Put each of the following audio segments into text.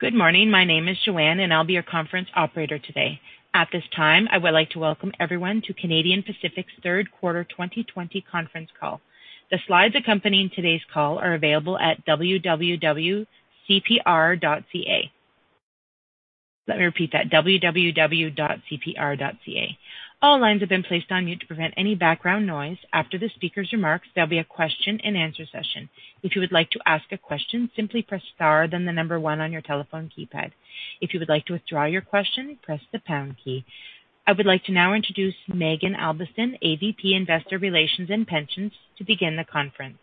Good morning. My name is Joanne, and I'll be your conference operator today. At this time, I would like to welcome everyone to Canadian Pacific's Third Quarter 2020 Conference Call. The slides accompanying today's call are available at www.cpr.ca. Let me repeat that, www.cpr.ca. All lines have been placed on mute to prevent any background noise. After the speaker's remarks, there'll be a question-and-answer session. If you would like to ask a question, simply press star then one on your telephone keypad. If you would like to withdraw your question, press the pound key. I would like to now introduce Maeghan Albiston, AVP Investor Relations and Pensions, to begin the conference.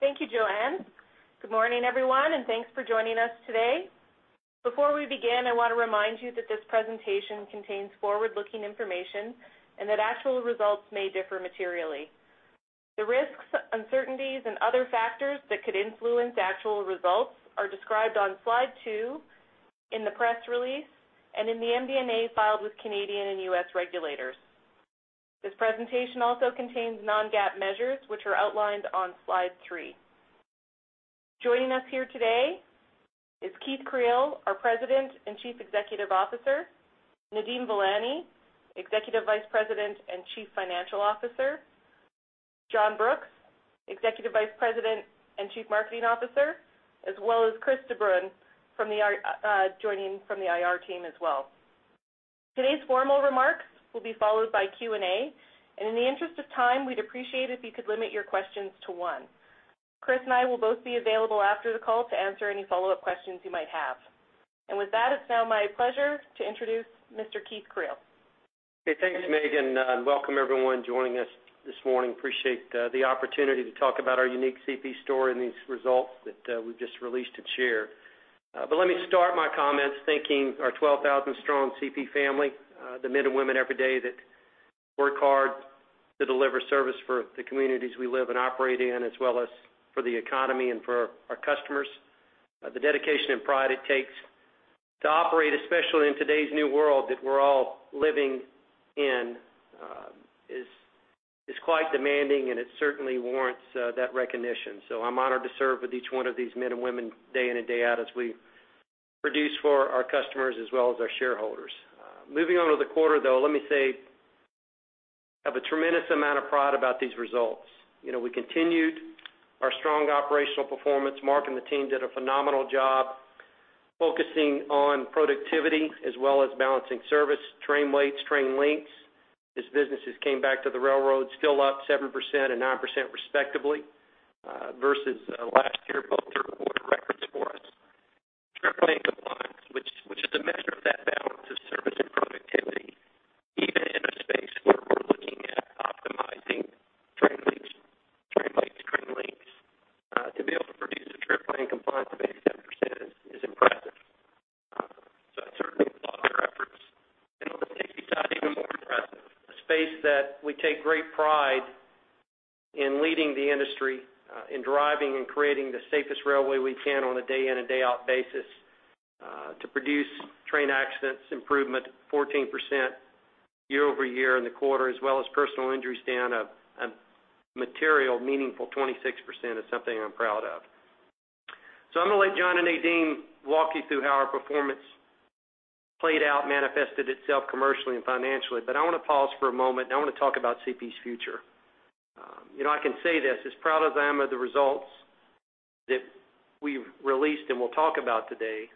Thank you, Joanne. Good morning, everyone, and thanks for joining us today. Before we begin, I want to remind you that this presentation contains forward-looking information and that actual results may differ materially. The risks, uncertainties, and other factors that could influence actual results are described on slide two, in the press release, and in the MD&A filed with Canadian and U.S. regulators. This presentation also contains non-GAAP measures, which are outlined on slide three. Joining us here today is Keith Creel, our President and Chief Executive Officer, Nadeem Velani, Executive Vice President and Chief Financial Officer, John Brooks, Executive Vice President and Chief Marketing Officer, as well as Chris De Bruyn joining from the IR team as well. Today's formal remarks will be followed by Q&A. In the interest of time, we'd appreciate if you could limit your questions to one. Chris and I will both be available after the call to answer any follow-up questions you might have. With that, it's now my pleasure to introduce Mr. Keith Creel. Okay, thanks, Maeghan, and welcome everyone joining us this morning. Appreciate the opportunity to talk about our unique CP story and these results that we've just released to share. Let me start my comments thanking our 12,000 strong CP family, the men and women every day that work hard to deliver service for the communities we live and operate in, as well as for the economy and for our customers. The dedication and pride it takes to operate, especially in today's new world that we're all living in, is quite demanding and it certainly warrants that recognition. I'm honored to serve with each one of these men and women day in and day out as we produce for our customers as well as our shareholders. Moving on to the quarter, though, let me say I have a tremendous amount of pride about these results. We continued our strong operational performance. Mark and the team did a phenomenal job focusing on productivity as well as balancing service, train weights, train lengths, as businesses came back to the railroad, still up 7% and 9% respectively versus last year, both third quarter records for us. Trip lane compliance, which is a measure of that balance of service and productivity, even in a space where we're looking at optimizing train lengths, train weights, train lengths to be able to produce a trip lane compliance of 87% is impressive. I certainly applaud their efforts. On the safety side, even more impressive, a space that we take great pride in leading the industry, in driving and creating the safest railway we can on a day in and day out basis to produce train accidents improvement 14% year-over-year in the quarter, as well as personal injury stats, a material meaningful 26% is something I'm proud of. I'm going to let John and Nadeem walk you through how our performance played out, manifested itself commercially and financially. I want to pause for a moment and I want to talk about CP's future. I can say this, as proud as I am of the results that we've released and we'll talk about today,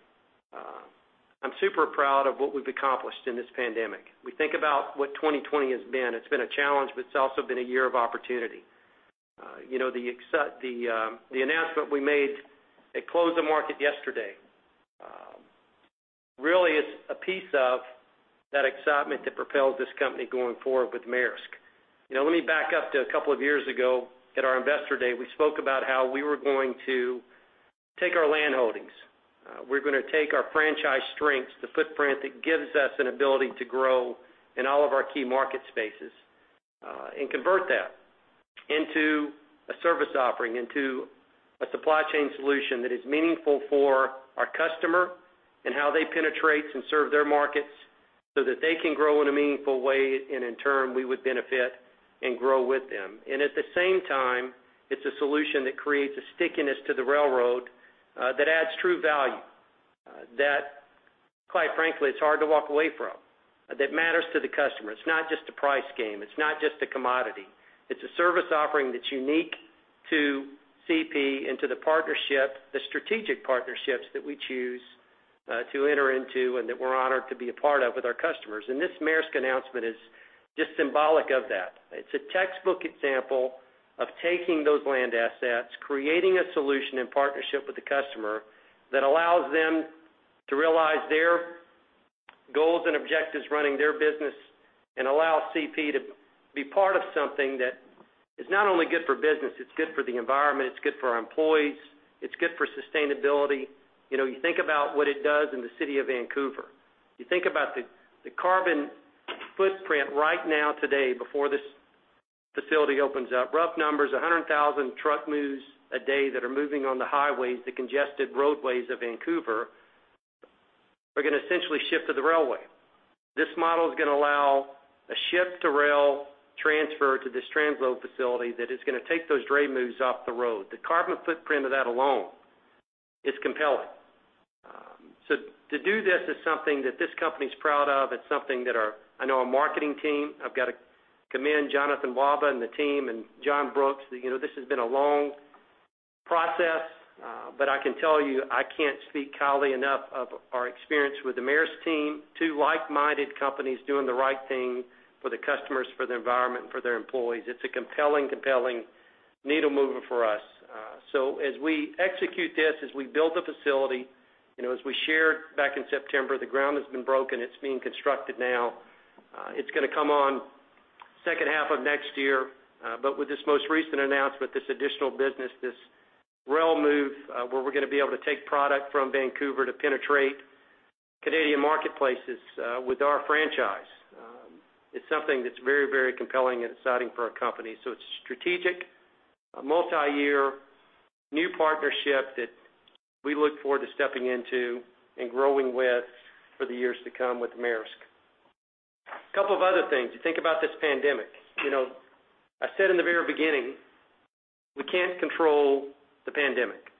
I'm super proud of what we've accomplished in this pandemic. We think about what 2020 has been. It's been a challenge, but it's also been a year of opportunity. The announcement we made at close of market yesterday really is a piece of that excitement that propels this company going forward with Maersk. Let me back up to a couple of years ago at our investor day. We spoke about how we were going to take our land holdings. We were going to take our franchise strengths, the footprint that gives us an ability to grow in all of our key market spaces and convert that into a service offering, into a supply chain solution that is meaningful for our customer and how they penetrate and serve their markets so that they can grow in a meaningful way, and in turn, we would benefit and grow with them. At the same time, it's a solution that creates a stickiness to the railroad that adds true value that, quite frankly, it's hard to walk away from, that matters to the customer. It's not just a price game. It's not just a commodity. It's a service offering that's unique to CP and to the partnership, the strategic partnerships that we choose to enter into and that we're honored to be a part of with our customers. This Maersk announcement is just symbolic of that. It's a textbook example of taking those land assets, creatIng a solution in partnership with the customer that allows them to realize their goals and objectives running their business and allow CP to be part of something that is not only good for business, it's good for the environment, it's good for our employees, it's good for sustainability. You think about what it does in the city of Vancouver. You think about the carbon footprint right now today before this facility opens up. Rough numbers, 100,000 truck moves a day that are moving on the highways, the congested roadways of Vancouver are going to essentially ship to the railway. This model is going to allow a ship-to-rail transfer to this transload facility that is going to take those dray moves off the road. The carbon footprint of that alone is compelling. To do this is something that this company's proud of. It's something that our marketing team, I've got to commend Jonathan Wahba and the team and John Brooks. This has been a long process, but I can tell you, I can't speak highly enough of our experience with the Maersk team. Two like-minded companies doing the right thing for the customers, for the environment, and for their employees. It's a compelling needle mover for us. As we execute this, as we build the facility, as we shared back in September, the ground has been broken. It's being constructed now. It's going to come on second half of next year. With this most recent announcement, this additional business, this rail move where we're going to be able to take product from Vancouver to penetrate Canadian marketplaces with our franchise. It's something that's very compelling and exciting for our company. It's a strategic, multi-year, new partnership that we look forward to stepping into and growing with for the years to come with Maersk. Couple of other things. You think about this pandemic. I said in the very beginning, we can't control the pandemic.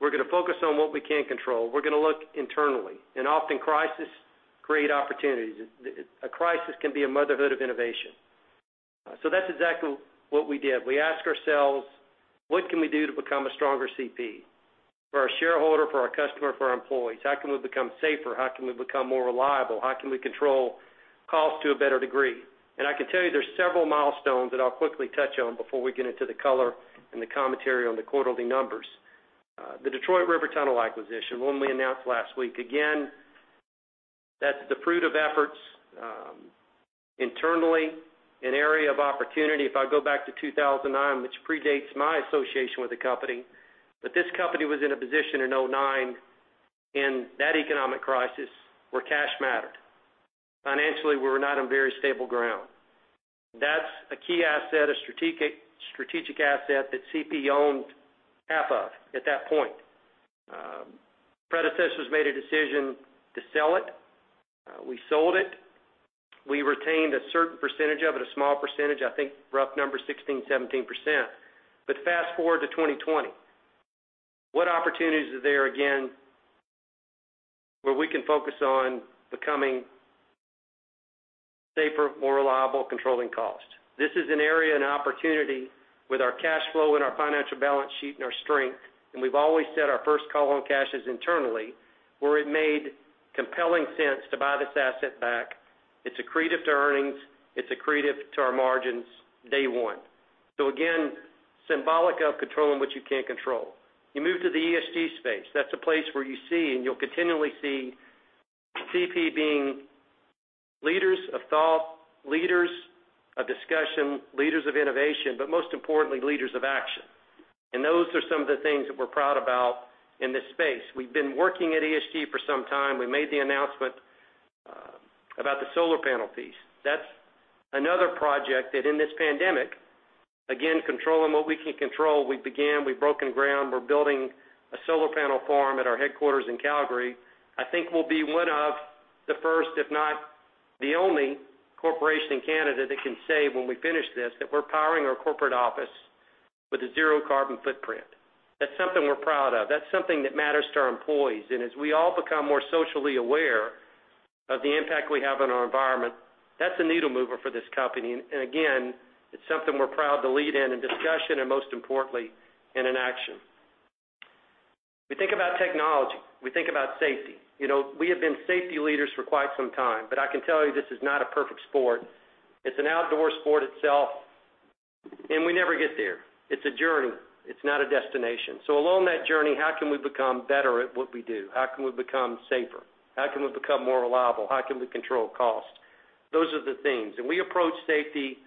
We're going to focus on what we can control. We're going to look internally, often crisis create opportunities. A crisis can be a motherhood of innovation. That's exactly what we did. We asked ourselves, what can we do to become a stronger CP for our shareholder, for our customer, for our employees? How can we become safer? How can we become more reliable? How can we control cost to a better degree? I can tell you there's several milestones that I'll quickly touch on before we get into the color and the commentary on the quarterly numbers. The Detroit River Tunnel acquisition, one we announced last week. Again, that's the fruit of efforts internally, an area of opportunity. If I go back to 2009, which predates my association with the company, but this company was in a position in 2009, in that economic crisis, where cash mattered. Financially, we were not on very stable ground. That's a key asset, a strategic asset that CP owned half of at that point. Predecessors made a decision to sell it. We sold it. We retained a certain percentage of it, a small percentage, I think rough number, 16%, 17%. Fast-forward to 2020. What opportunities are there again where we can focus on becoming safer, more reliable, controlling cost? This is an area, an opportunity with our cash flow and our financial balance sheet and our strength, and we've always said our first call on cash is internally, where it made compelling sense to buy this asset back. It's accretive to earnings. It's accretive to our margins day one. Again, symbolic of controlling what you can control. You move to the ESG space. That's a place where you see, and you'll continually see CP being leaders of thought, leaders of discussion, leaders of innovation, but most importantly, leaders of action. Those are some of the things that we're proud about in this space. We've been working at ESG for some time. We made the announcement about the solar panel piece. That's another project that in this pandemic, again, controlling what we can control, we began, we've broken ground, we're building a solar panel farm at our headquarters in Calgary. I think we'll be one of the first, if not the only corporation in Canada that can say when we finish this, that we're powering our corporate office with a zero carbon footprint. That's something we're proud of. That's something that matters to our employees. As we all become more socially aware of the impact we have on our environment, that's a needle mover for this company. Again, it's something we're proud to lead in discussion, and most importantly, in an action. We think about technology. We think about safety. We have been safety leaders for quite some time, but I can tell you this is not a perfect sport. It's an outdoor sport itself, and we never get there. It's a journey. It's not a destination. Along that journey, how can we become better at what we do? How can we become safer? How can we become more reliable? How can we control cost? Those are the things. We approach safety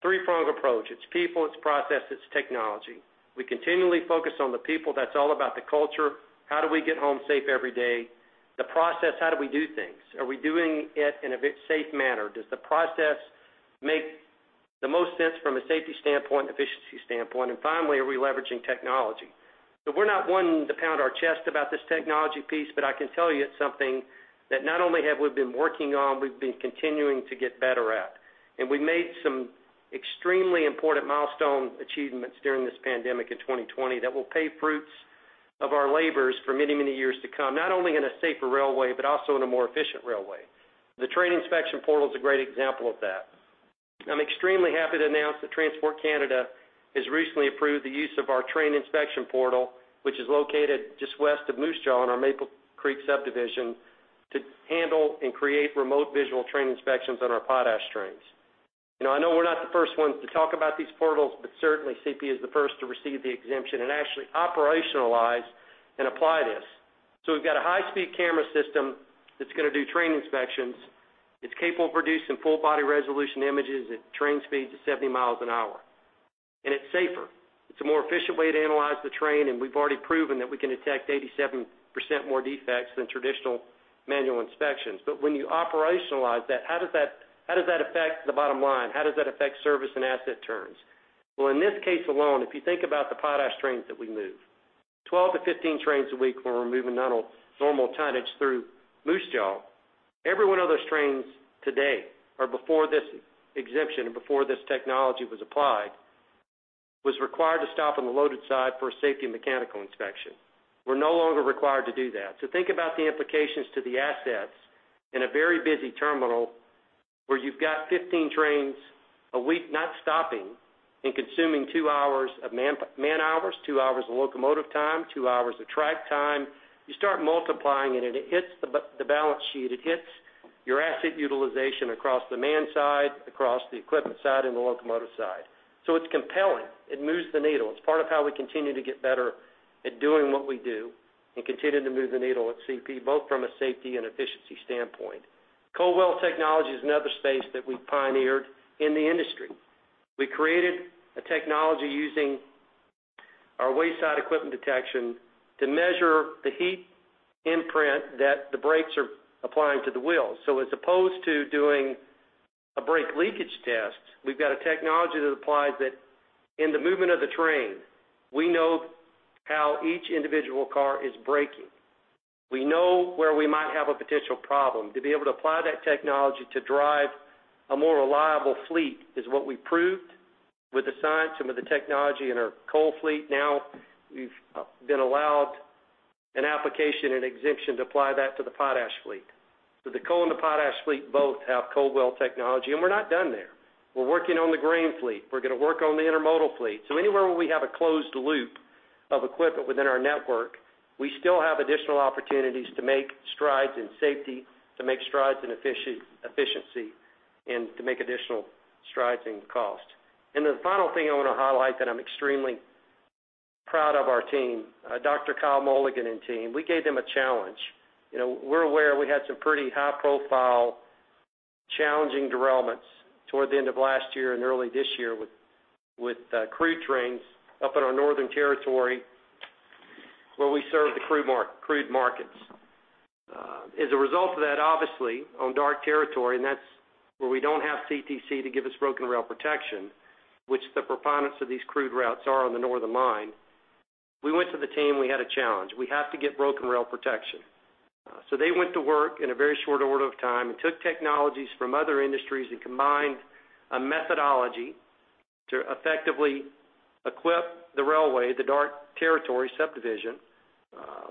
three-prong approach. It's people, it's process, it's technology. We continually focus on the people. That's all about the culture. How do we get home safe every day? The process, how do we do things? Are we doing it in a safe manner? Does the process make the most sense from a safety standpoint, efficiency standpoint? Finally, are we leveraging technology? We're not one to pound our chest about this technology piece, but I can tell you it's something that not only have we been working on, we've been continuing to get better at. We made some extremely important milestone achievements during this pandemic in 2020 that will pay fruits of our labors for many years to come, not only in a safer railway, but also in a more efficient railway. The train inspection portal is a great example of that. I'm extremely happy to announce that Transport Canada has recently approved the use of our train inspection portal, which is located just west of Moose Jaw in our Maple Creek subdivision to handle and create remote visual train inspections on our potash trains. Certainly CP is the first to receive the exemption and actually operationalize and apply this. We've got a high-speed camera system that's going to do train inspections. It's capable of producing full body resolution images at train speeds of 70 mi an hour. It's safer. It's a more efficient way to analyze the train. We've already proven that we can detect 87% more defects than traditional manual inspections. When you operationalize that, how does that affect the bottom line? How does that affect service and asset turns? Well, in this case alone, if you think about the potash trains that we move, 12-15 trains a week, when we're moving normal tonnage through Moose Jaw, every one of those trains today or before this exemption and before this technology was applied, was required to stop on the loaded side for a safety and mechanical inspection. We're no longer required to do that. Think about the implications to the assets in a very busy terminal where you've got 15 trains a week not stopping and consuming two hours of man-hours, two hours of locomotive time, two hours of track time. You start multiplying it and it hits the balance sheet. It hits your asset utilization across the man side, across the equipment side, and the locomotive side. It's compelling. It moves the needle. It's part of how we continue to get better at doing what we do and continue to move the needle at CP, both from a safety and efficiency standpoint. Cold wheel technology is another space that we pioneered in the industry. We created a technology using our wayside equipment detection to measure the heat imprint that the brakes are applying to the wheels. As opposed to doing a brake leakage test, we've got a technology that applies that in the movement of the train, we know how each individual car is braking. We know where we might have a potential problem. To be able to apply that technology to drive a more reliable fleet is what we proved with the science and with the technology in our coal fleet. We've been allowed an application and exemption to apply that to the potash fleet. The coal and the potash fleet both have cold wheel technology, and we're not done there. We're working on the grain fleet. We're going to work on the intermodal fleet. Anywhere where we have a closed loop of equipment within our network, we still have additional opportunities to make strides in safety, to make strides in efficiency, and to make additional strides in cost. The final thing I want to highlight that I'm extremely proud of our team, Dr. Kyle Mulligan and team, we gave them a challenge. We're aware we had some pretty high-profile, challenging derailments toward the end of last year and early this year with crude trains up in our northern territory where we serve the crude markets. As a result of that, obviously on dark territory, and that's where we don't have CTC to give us broken rail protection, which the preponderance of these crude routes are on the northern line, we went to the team, we had a challenge. We have to get broken rail protection. They went to work in a very short order of time and took technologies from other industries and combined a methodology to effectively equip the railway, the dark territory subdivision,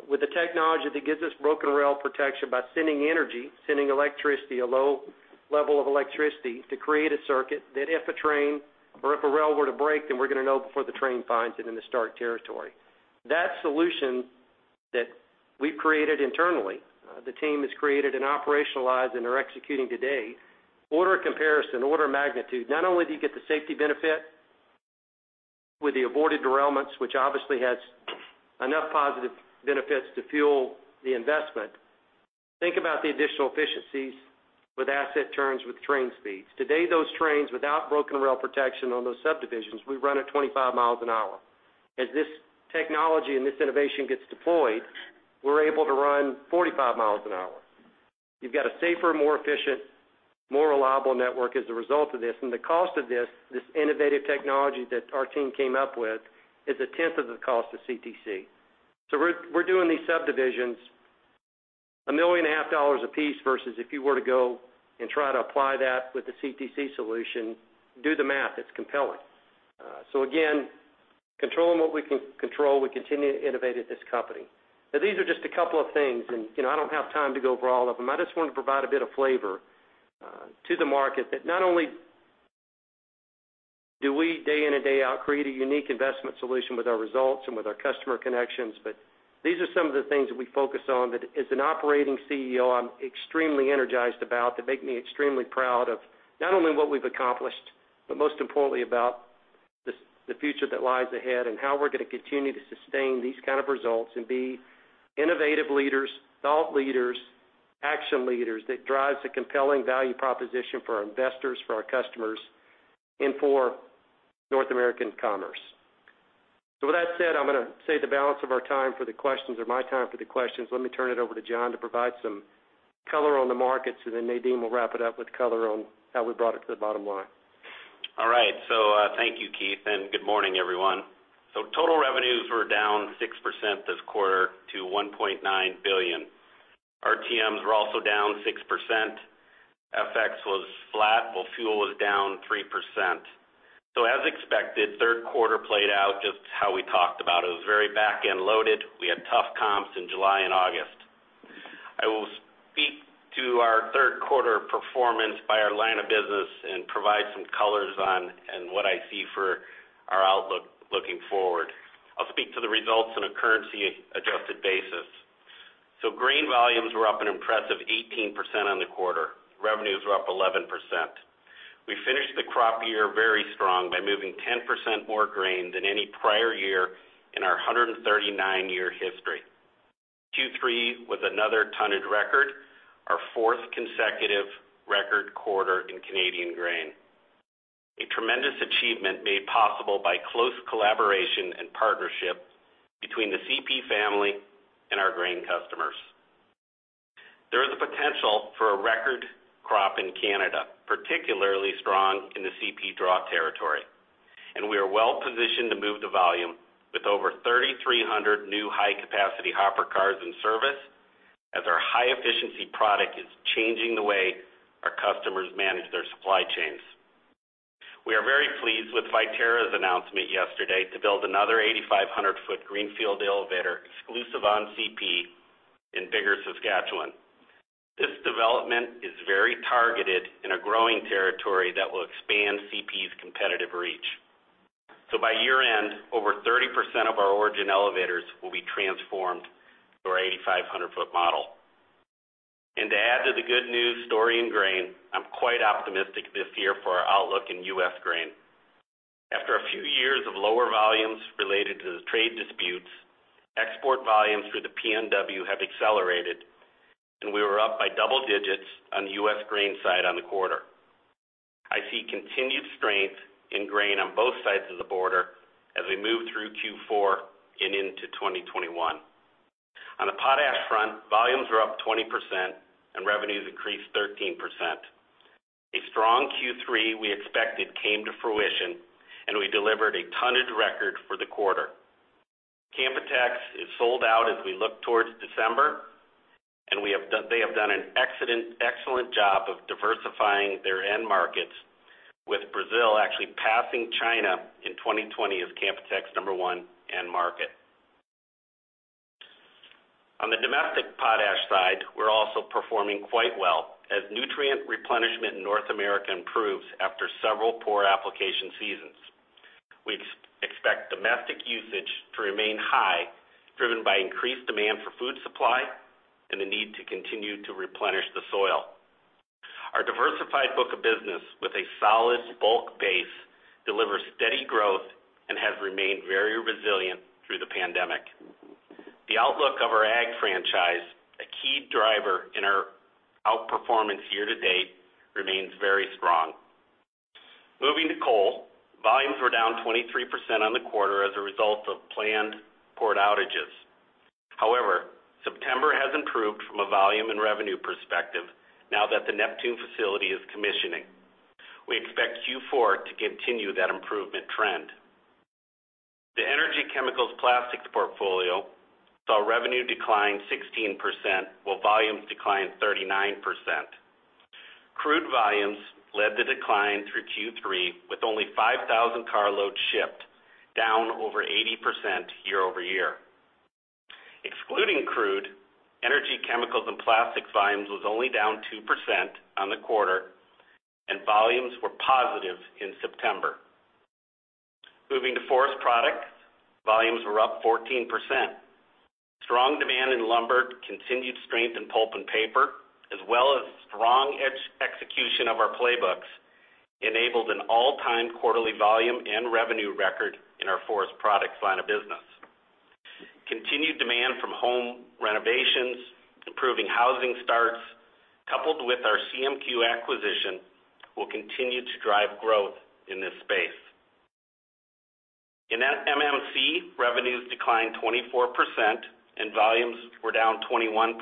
with the technology that gives us broken rail protection by sending energy, sending electricity, a low level of electricity, to create a circuit that if a train or if a rail were to break, then we're going to know before the train finds it in this dark territory. That solution that we've created internally, the team has created and operationalized and are executing today, order of comparison, order of magnitude, not only do you get the safety benefit with the aborted derailments, which obviously has enough positive benefits to fuel the investment, think about the additional efficiencies with asset turns, with train speeds. Today, those trains, without broken rail protection on those subdivisions, we run at 25 mi an hour. As this technology and this innovation gets deployed, we are able to run 45 mi an hour. You have got a safer, more efficient, more reliable network as a result of this. The cost of this innovative technology that our team came up with is a tenth of the cost of CTC. We're doing these subdivisions CAD a million and a half dollars a piece versus if you were to go and try to apply that with the CTC solution, do the math, it's compelling. Again, controlling what we can control, we continue to innovate at this company. These are just a couple of things and I don't have time to go over all of them. I just wanted to provide a bit of flavor to the market that not only do we day in and day out create a unique investment solution with our results and with our customer connections, but these are some of the things that we focus on that as an operating CEO, I am extremely energized about, that make me extremely proud of not only what we have accomplished, but most importantly about the future that lies ahead and how we are going to continue to sustain these kind of results and be innovative leaders, thought leaders, action leaders that drives a compelling value proposition for our investors, for our customers, and for North American commerce. With that said, I am going to save the balance of our time for the questions or my time for the questions. Let me turn it over to John to provide some color on the markets, and then Nadeem will wrap it up with color on how we brought it to the bottom line. All right. Thank you, Keith, and good morning, everyone. Total revenues were down 6% this quarter to 1.9 billion. RTMs were also down 6%. FX was flat, while fuel was down 3%. As expected, the third quarter played out just how we talked about it. It was very back-end loaded. We had tough comps in July and August. I will speak to our third quarter performance by our line of business and provide some colors on and what I see for our outlook looking forward. I'll speak to the results on a currency adjusted basis. Grain volumes were up an impressive 18% on the quarter. Revenues were up 11%. We finished the crop year very strong by moving 10% more grain than any prior year in our 139-year history. Q3 was another tonnage record, our fourth consecutive record quarter in Canadian grain. A tremendous achievement made possible by close collaboration and partnership between the CP family and our grain customers. There is a potential for a record crop in Canada, particularly strong in the CP draw territory, and we are well-positioned to move the volume with over 3,300 new high-capacity hopper cars in service as our high-efficiency product is changing the way our customers manage their supply chains. We are very pleased with Viterra's announcement yesterday to build another 8,500 ft greenfield elevator exclusive on CP in Biggar, Saskatchewan. This development is very targeted in a growing territory that will expand CP's competitive reach. By year-end, over 30% of our origin elevators will be transformed to our 8,500-foot model. To add to the good news story in grain, I'm quite optimistic this year for our outlook in U.S. grain. After a few years of lower volumes related to the trade disputes, export volumes through the PNW have accelerated. We were up by double digits on the U.S. grain side on the quarter. I see continued strength in grain on both sides of the border as we move through Q4 and into 2021. On the potash front, volumes were up 20% and revenues increased 13%. A strong Q3 we expected came to fruition. We delivered a tonnage record for the quarter. Canpotex is sold out as we look towards December. They have done an excellent job of diversifying their end markets, with Brazil actually passing China in 2020 as Canpotex number one end market. On the domestic potash side, we are also performing quite well as nutrient replenishment in North America improves after several poor application seasons. We expect domestic usage to remain high, driven by increased demand for food supply and the need to continue to replenish the soil. Our diversified book of business with a solid bulk base delivers steady growth and has remained very resilient through the pandemic. The outlook of our ag franchise, a key driver in our outperformance year-to-date, remains very strong. Moving to coal, volumes were down 23% on the quarter as a result of planned port outages. However, September has improved from a volume and revenue perspective now that the Neptune facility is commissioning. We expect Q4 to continue that improvement trend. The Energy, Chemicals and Plastics portfolio saw revenue decline 16% while volumes declined 39%. Crude volumes led the decline through Q3 with only 5,000 car loads shipped, down over 80% year-over-year. Excluding crude, Energy, Chemicals and Plastics volumes was only down 2% on the quarter, and volumes were positive in September. Moving to Forest Products, volumes were up 14%. Strong demand in lumber, continued strength in pulp and paper, as well as strong execution of our playbooks, enabled an all-time quarterly volume and revenue record in our Forest Products line of business. Continued demand from home renovations, improving housing starts, coupled with our CMQ acquisition, will continue to drive growth in this space. In MMC, revenues declined 24% and volumes were down 21%.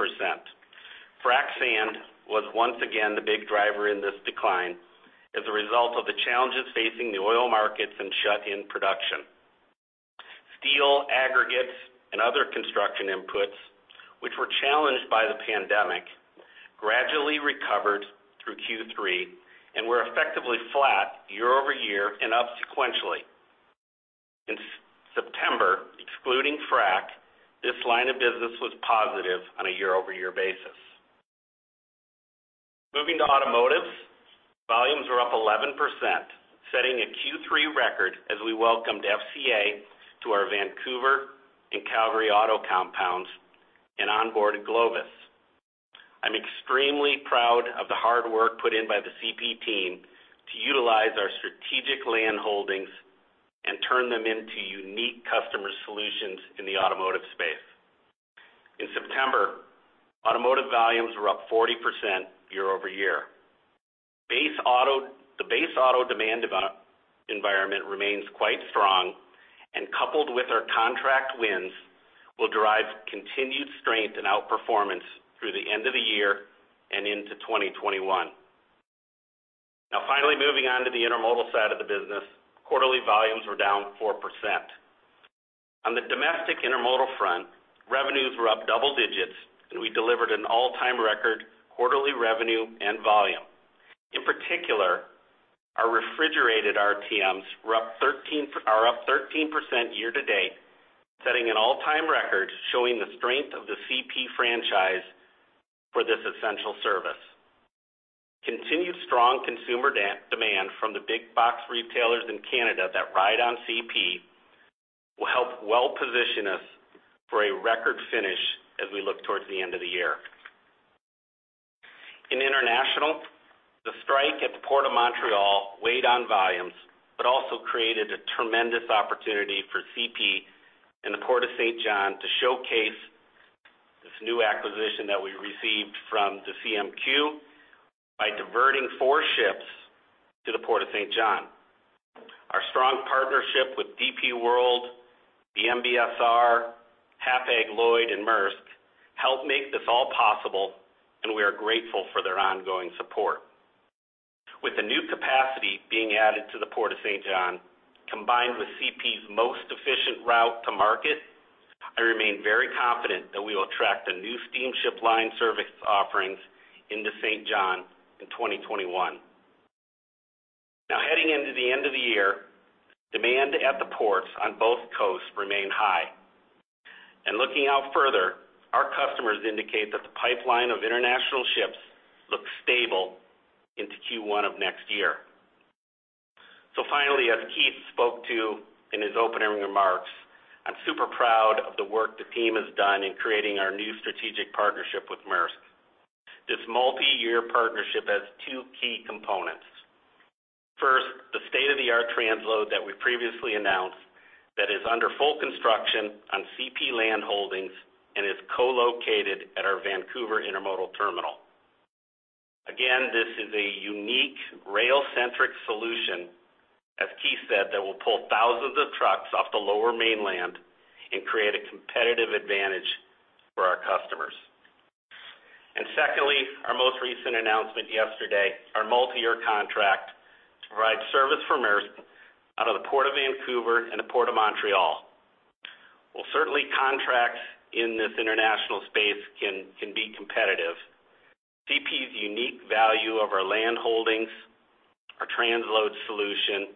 Frac sand was once again the big driver in this decline as a result of the challenges facing the oil markets and shut-in production. Steel, aggregates, and other construction inputs, which were challenged by the pandemic, gradually recovered through Q3 and were effectively flat year-over-year and up sequentially. In September, excluding frac, this line of business was positive on a year-over-year basis. Moving to automotive, volumes were up 11%, setting a Q3 record as we welcomed FCA to our Vancouver and Calgary auto compounds and onboarded Glovis. I'm extremely proud of the hard work put in by the CP team to utilize our strategic land holdings and turn them into unique customer solutions in the automotive space. In September, automotive volumes were up 40% year-over-year. The base auto demand environment remains quite strong and, coupled with our contract wins, will drive continued strength and outperformance through the end of the year and into 2021. Finally moving on to the intermodal side of the business, quarterly volumes were down 4%. On the domestic intermodal front, revenues were up double digits, and we delivered an all-time record quarterly revenue and volume. In particular, our refrigerated RTMs are up 13% year to date, setting an all-time record, showing the strength of the CP franchise for this essential service. Continued strong consumer demand from the big box retailers in Canada that ride on CP will help well position us for a record finish as we look towards the end of the year. In international, the strike at the Port of Montreal weighed on volumes but also created a tremendous opportunity for CP and the Port of Saint John to showcase this new acquisition that we received from the CMQ by diverting four ships to the Port of Saint John. Strong partnership with DP World, MSC, Hapag-Lloyd, and Maersk helped make this all possible. We are grateful for their ongoing support. With the new capacity being added to the Port of Saint John, combined with CP's most efficient route to market, I remain very confident that we will attract the new steamship line service offerings into Saint John in 2021. Heading into the end of the year, demand at the ports on both coasts remain high. Looking out further, our customers indicate that the pipeline of international ships looks stable into Q1 of next year. Finally, as Keith spoke to in his opening remarks, I'm super proud of the work the team has done in creating our new strategic partnership with Maersk. This multi-year partnership has two key components. First, the state-of-the-art transload that we previously announced that is under full construction on CP land holdings and is co-located at our Vancouver Intermodal Terminal. This is a unique rail-centric solution, as Keith said, that will pull thousands of trucks off the Lower Mainland and create a competitive advantage for our customers. Secondly, our most recent announcement yesterday, our multi-year contract to provide service for Maersk out of the Port of Vancouver and the Port of Montreal. While certainly contracts in this international space can be competitive, CP's unique value of our land holdings, our transload solution,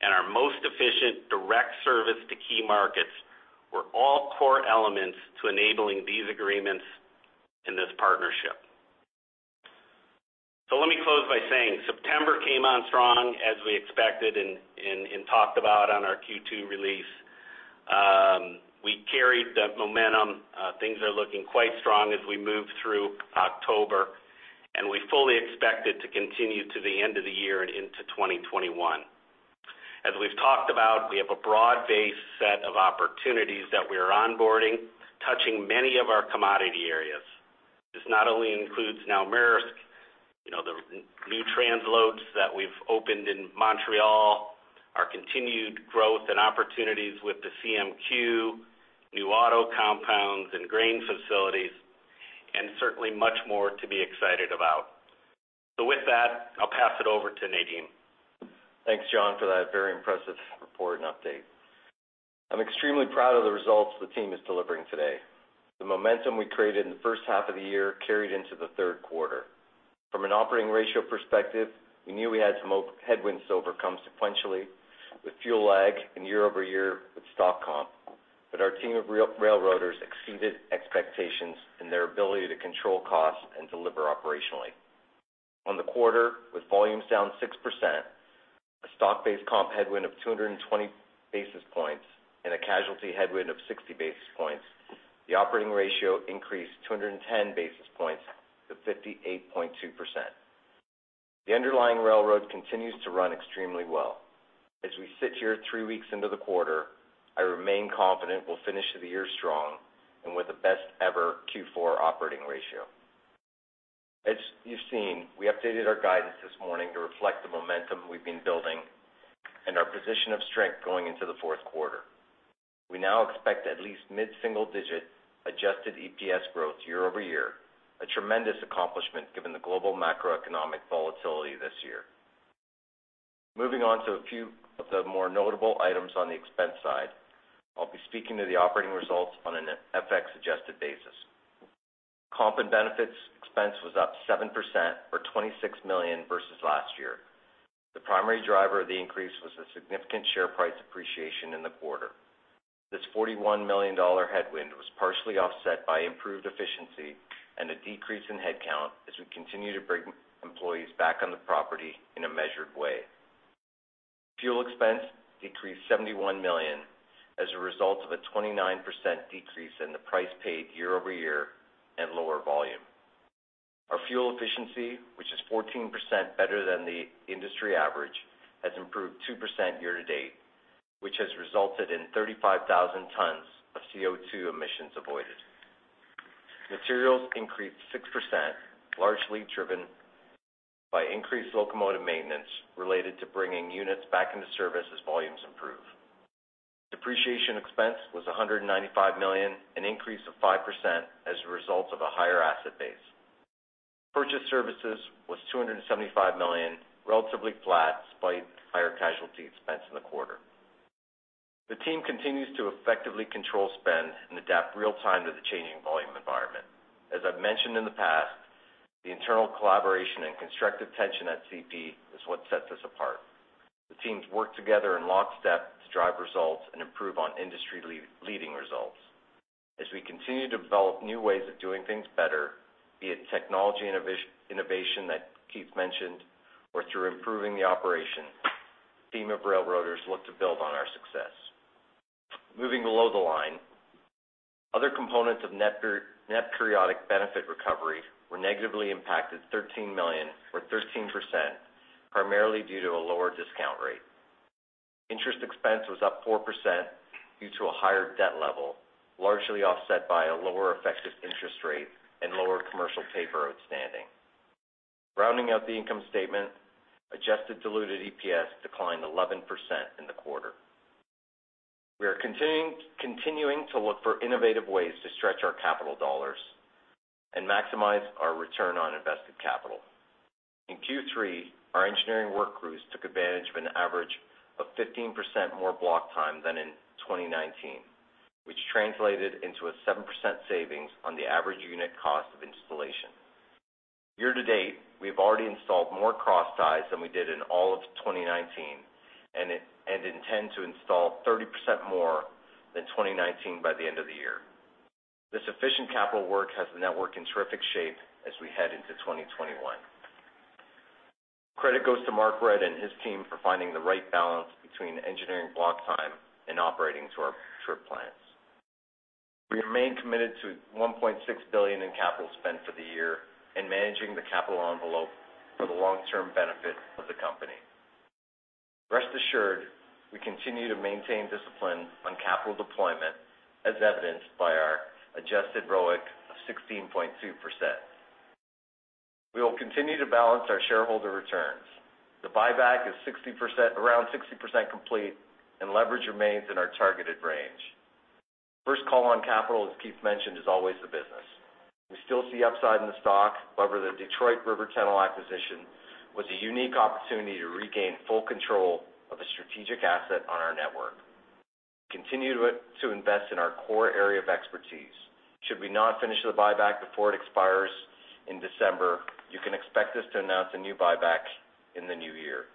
and our most efficient direct service to key markets were all core elements to enabling these agreements in this partnership. Let me close by saying September came on strong as we expected and talked about on our Q2 release. We carried the momentum. Things are looking quite strong as we move through October, and we fully expect it to continue to the end of the year and into 2021. As we've talked about, we have a broad-based set of opportunities that we are onboarding, touching many of our commodity areas. This not only includes now Maersk, the new transloads that we've opened in Montreal, our continued growth and opportunities with the CMQ, new auto compounds and grain facilities, and certainly much more to be excited about. With that, I'll pass it over to Nadeem. Thanks, John, for that very impressive report and update. I'm extremely proud of the results the team is delivering today. The momentum we created in the first half of the year carried into the third quarter. From an operating ratio perspective, we knew we had some headwinds to overcome sequentially with fuel lag and year-over-year with stock comp. Our team of railroaders exceeded expectations in their ability to control costs and deliver operationally. On the quarter, with volumes down 6%, a stock-based comp headwind of 220 basis points, and a casualty headwind of 60 basis points, the operating ratio increased 210 basis points to 58.2%. The underlying railroad continues to run extremely well. As we sit here three weeks into the quarter, I remain confident we'll finish the year strong and with the best ever Q4 operating ratio. As you've seen, we updated our guidance this morning to reflect the momentum we've been building and our position of strength going into the fourth quarter. We now expect at least mid-single digit adjusted EPS growth year-over-year, a tremendous accomplishment given the global macroeconomic volatility this year. Moving on to a few of the more notable items on the expense side, I'll be speaking to the operating results on an FX adjusted basis. Comp and benefits expense was up 7% or 26 million versus last year. The primary driver of the increase was the significant share price appreciation in the quarter. This 41 million dollar headwind was partially offset by improved efficiency and a decrease in headcount as we continue to bring employees back on the property in a measured way. Fuel expense decreased 71 million as a result of a 29% decrease in the price paid year-over-year and lower volume. Our fuel efficiency, which is 14% better than the industry average, has improved 2% year to date, which has resulted in 35,000 tons of CO2 emissions avoided. Materials increased 6%, largely driven by increased locomotive maintenance related to bringing units back into service as volumes improve. Depreciation expense was 195 million, an increase of 5% as a result of a higher asset base. Purchased services was 275 million, relatively flat despite higher casualty expense in the quarter. The team continues to effectively control spend and adapt real-time to the changing volume environment. As I've mentioned in the past, the internal collaboration and constructive tension at CP is what sets us apart. The teams work together in lockstep to drive results and improve on industry-leading results. As we continue to develop new ways of doing things better, be it technology innovation that Keith mentioned, or through improving the operation, team of railroaders look to build on our success. Moving below the line, other components of net periodic benefit recovery were negatively impacted 13 million or 13%, primarily due to a lower discount rate. Interest expense was up 4% due to a higher debt level, largely offset by a lower effective interest rate and lower commercial paper outstanding. Rounding out the income statement, adjusted diluted EPS declined 11% in the quarter. We are continuing to look for innovative ways to stretch our capital dollars and maximize our return on invested capital. In Q3, our engineering work crews took advantage of an average of 15% more block time than in 2019, which translated into a 7% savings on the average unit cost of installation. Year-to-date, we've already installed more cross ties than we did in all of 2019, and intend to install 30% more than 2019 by the end of the year. This efficient capital work has the network in terrific shape as we head into 2021. Credit goes to Mark Redd and his team for finding the right balance between engineering block time and operating to our trip plans. We remain committed to 1.6 billion in capital spend for the year and managing the capital envelope for the long-term benefit of the company. Rest assured, we continue to maintain discipline on capital deployment, as evidenced by our adjusted ROIC of 16.2%. We will continue to balance our shareholder returns. The buyback is around 60% complete and leverage remains in our targeted range. First call on capital, as Keith mentioned, is always the business. We still see upside in the stock. However, the Detroit River Tunnel acquisition was a unique opportunity to regain full control of a strategic asset on our network. Continue to invest in our core area of expertise. Should we not finish the buyback before it expires in December, you can expect us to announce a new buyback in the new year.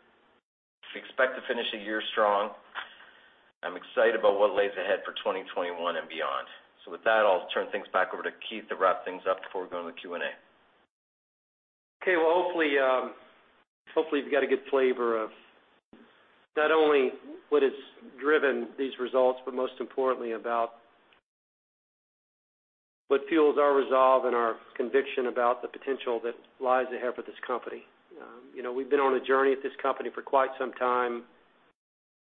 We expect to finish the year strong. I'm excited about what lays ahead for 2021 and beyond. With that, I'll turn things back over to Keith to wrap things up before we go into the Q&A. Okay. Well, hopefully you've got a good flavor of not only what has driven these results, but most importantly about what fuels our resolve and our conviction about the potential that lies ahead for this company. We've been on a journey at this company for quite some time,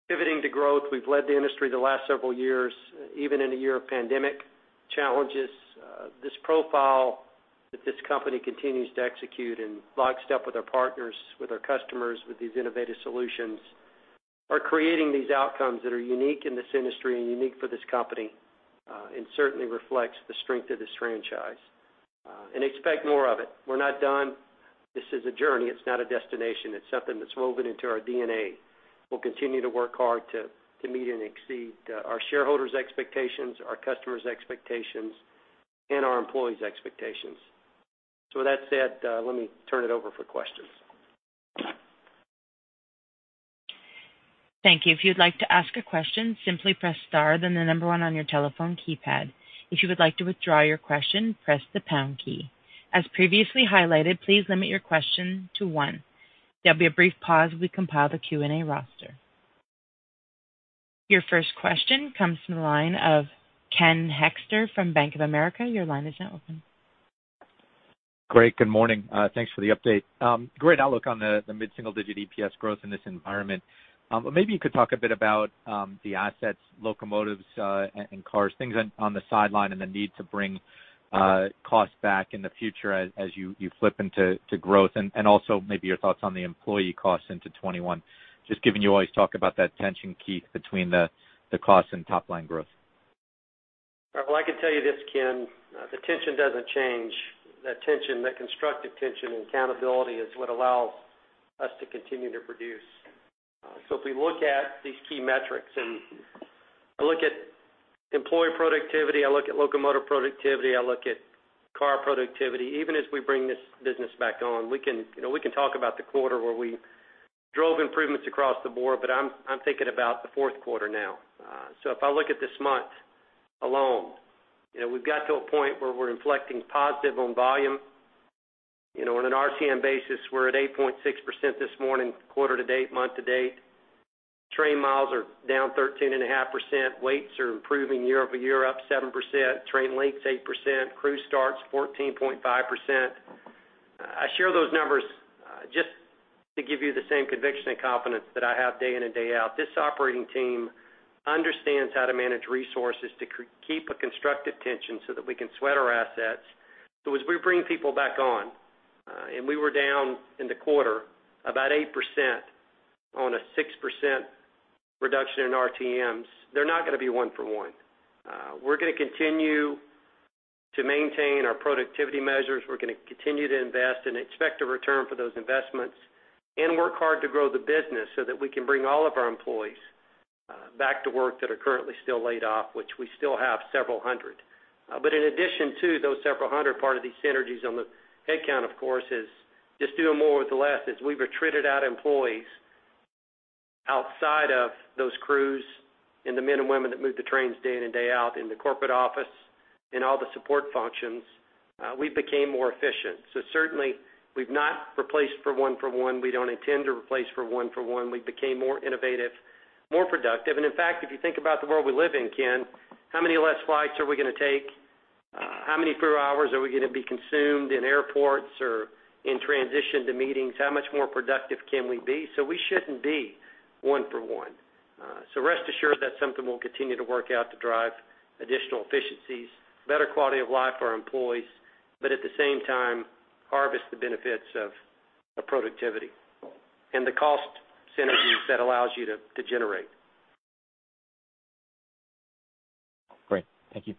pivoting to growth. We've led the industry the last several years, even in a year of pandemic challenges. This profile that this company continues to execute in lockstep with our partners, with our customers, with these innovative solutions, are creating these outcomes that are unique in this industry and unique for this company. Certainly reflects the strength of this franchise. Expect more of it. We're not done. This is a journey. It's not a destination. It's something that's woven into our DNA. We'll continue to work hard to meet and exceed our shareholders expectations, our customers expectations, and our employees expectations. With that said, let me turn it over for questions. Thank you. Your first question comes from the line of Ken Hoexter from Bank of America. Your line is now open. Great. Good morning. Thanks for the update. Great outlook on the mid-single-digit EPS growth in this environment. Maybe you could talk a bit about the assets, locomotives, and cars, things on the sideline, and the need to bring costs back in the future as you flip into growth. Also maybe your thoughts on the employee costs into 2021, just given you always talk about that tension, Keith, between the costs and top-line growth. Well, I can tell you this, Ken. The tension doesn't change. That tension, that constructive tension and accountability is what allows us to continue to produce. If we look at these key metrics and I look at employee productivity, I look at locomotive productivity, I look at car productivity, even as we bring this business back on, we can talk about the quarter where we drove improvements across the board, but I'm thinking about the fourth quarter now. If I look at this month alone, we've got to a point where we're inflecting positive on volume. On an RTM basis, we're at 8.6% this morning, quarter-to-date, month to date. Train miles are down 13.5%. Weights are improving year-over-year, up 7%. Train lengths, 8%. Crew starts, 14.5%. I share those numbers just to give you the same conviction and confidence that I have day in and day out. This operating team understands how to manage resources to keep a constructive tension so that we can sweat our assets. As we bring people back on, and we were down in the quarter about 8% on a 6% reduction in RTMs, they're not going to be one for one. We're going to continue to maintain our productivity measures. We're going to continue to invest and expect a return for those investments and work hard to grow the business so that we can bring all of our employees back to work that are currently still laid off, which we still have several hundred. In addition to those several hundred, part of these synergies on the headcount, of course, is just doing more with less. As we've retreated out employees outside of those crews and the men and women that move the trains day in and day out in the corporate office and all the support functions, we became more efficient. Certainly, we've not replaced for one for one. We don't intend to replace for one for one. We became more innovative, more productive. In fact, if you think about the world we live in, Ken, how many less flights are we going to take? How many fewer hours are we going to be consumed in airports or in transition to meetings? How much more productive can we be? We shouldn't be one for one. Rest assured that something will continue to work out to drive additional efficiencies, better quality of life for our employees, but at the same time, harvest the benefits of productivity and the cost synergies that allows you to generate. Great. Thank you.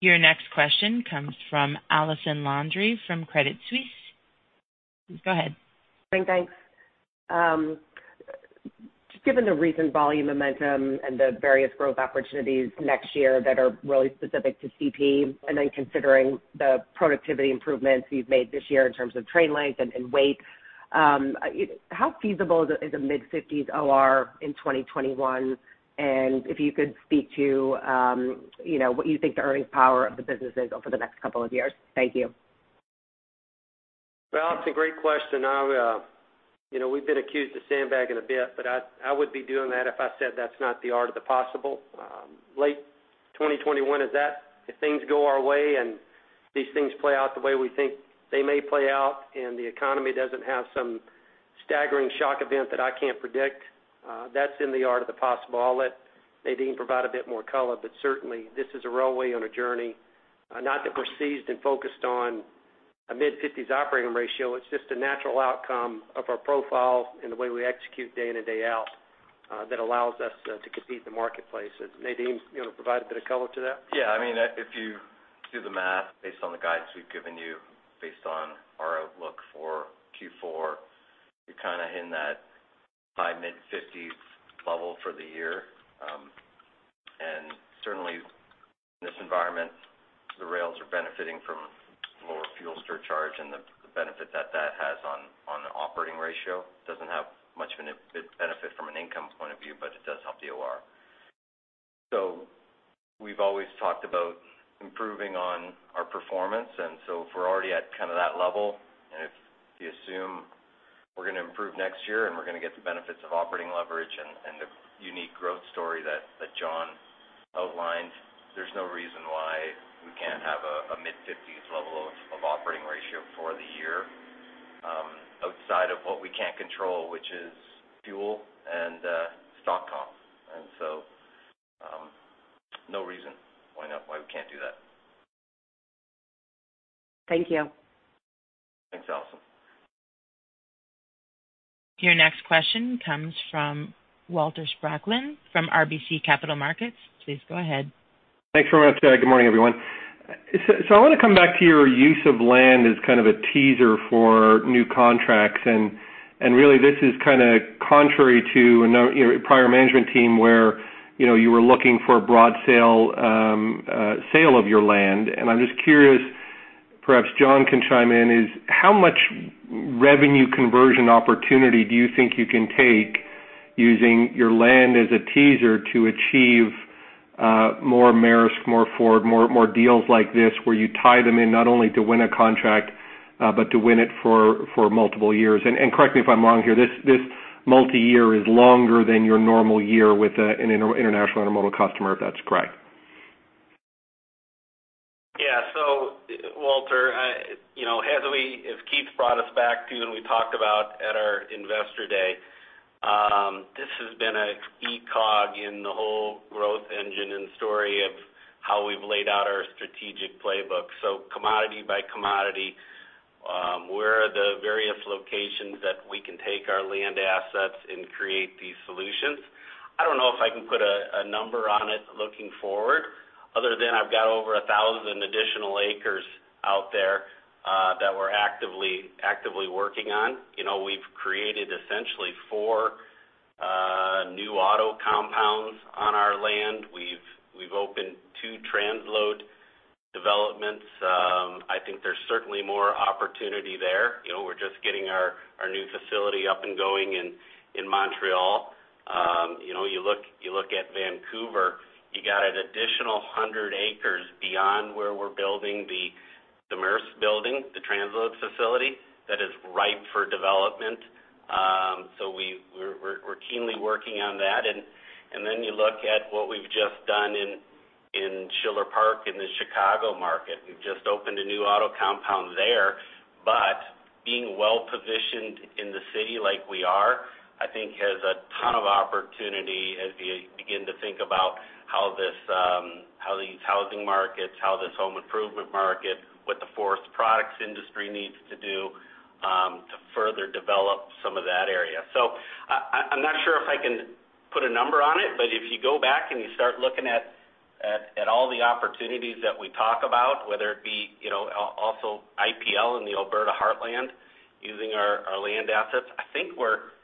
Your next question comes from Allison Landry from Credit Suisse. Please go ahead. Thanks. Just given the recent volume momentum and the various growth opportunities next year that are really specific to CP, and then considering the productivity improvements you've made this year in terms of train length and weight, how feasible is a mid-50s OR in 2021? And if you could speak to what you think the earning power of the business is over the next couple of years. Thank you. It's a great question. We've been accused of sandbagging a bit, but I would be doing that if I said that's not the art of the possible. Late 2021 is that, if things go our way and these things play out the way we think they may play out, and the economy doesn't have some staggering shock event that I can't predict, that's in the art of the possible. I'll let Nadeem provide a bit more color, but certainly, this is a railway on a journey. Not that we're seized and focused on a mid-fifties OR. It's just a natural outcome of our profile and the way we execute day in and day out, that allows us to compete in the marketplace. Nadeem, you want to provide a bit of color to that? If you do the math based on the guidance we've given you, based on our outlook for Q4, you're kind of in that high mid-50%s level for the year. Certainly in this environment, the rails are benefiting from lower fuel surcharge and the benefit that that has on the operating ratio. Doesn't have much of a benefit from an income point of view, but it does help the OR. We've always talked about improving on our performance, and so if we're already at that level, and if you assume we're going to improve next year and we're going to get the benefits of operating leverage and the unique growth story that John outlined, there's no reason why we can't have a mid-50%s level of operating ratio for the year, outside of what we can't control, which is fuel and stock comp. No reason why we can't do that. Thank you. Thanks, Allison. Your next question comes from Walter Spracklin from RBC Capital Markets. Please go ahead. Thanks very much. Good morning, everyone. I want to come back to your use of land as kind of a teaser for new contracts, and really this is kind of contrary to a prior management team where you were looking for a broad sale of your land. I'm just curious, perhaps John can chime in, is how much revenue conversion opportunity do you think you can take using your land as a teaser to achieve more Maersk, more Ford, more deals like this, where you tie them in not only to win a contract, but to win it for multiple years? Correct me if I'm wrong here, this multi-year is longer than your normal year with an international automotive customer, if that's correct. Yeah. Walter, as Keith brought us back to and we talked about at our investor day, this has been a key cog in the whole growth engine and story of how we've laid out our strategic playbook. Commodity by commodity, where are the various locations that we can take our land assets and create these solutions? I don't know if I can put a number on it looking forward, other than I've got over 1,000 additional acres out there that we're actively working on. We've created essentially four new auto compounds on our land. We've opened two transload developments. I think there's certainly more opportunity there. We're just getting our new facility up and going in Montreal. You look at Vancouver, you got an additional 100 acres beyond where we're building the Maersk building, the transload facility, that is ripe for development. We're keenly working on that, and then you look at what we've just done in Schiller Park in the Chicago market. We've just opened a new auto compound there, being well-positioned in the city like we are, I think has a ton of opportunity as we begin to think about how these housing markets, how this home improvement market, what the forest products industry needs to do to further develop some of that area. I'm not sure if I can put a number on it, if you go back and you start looking at all the opportunities that we talk about, whether it be also IPL in the Alberta Heartland, using our land assets, I think we're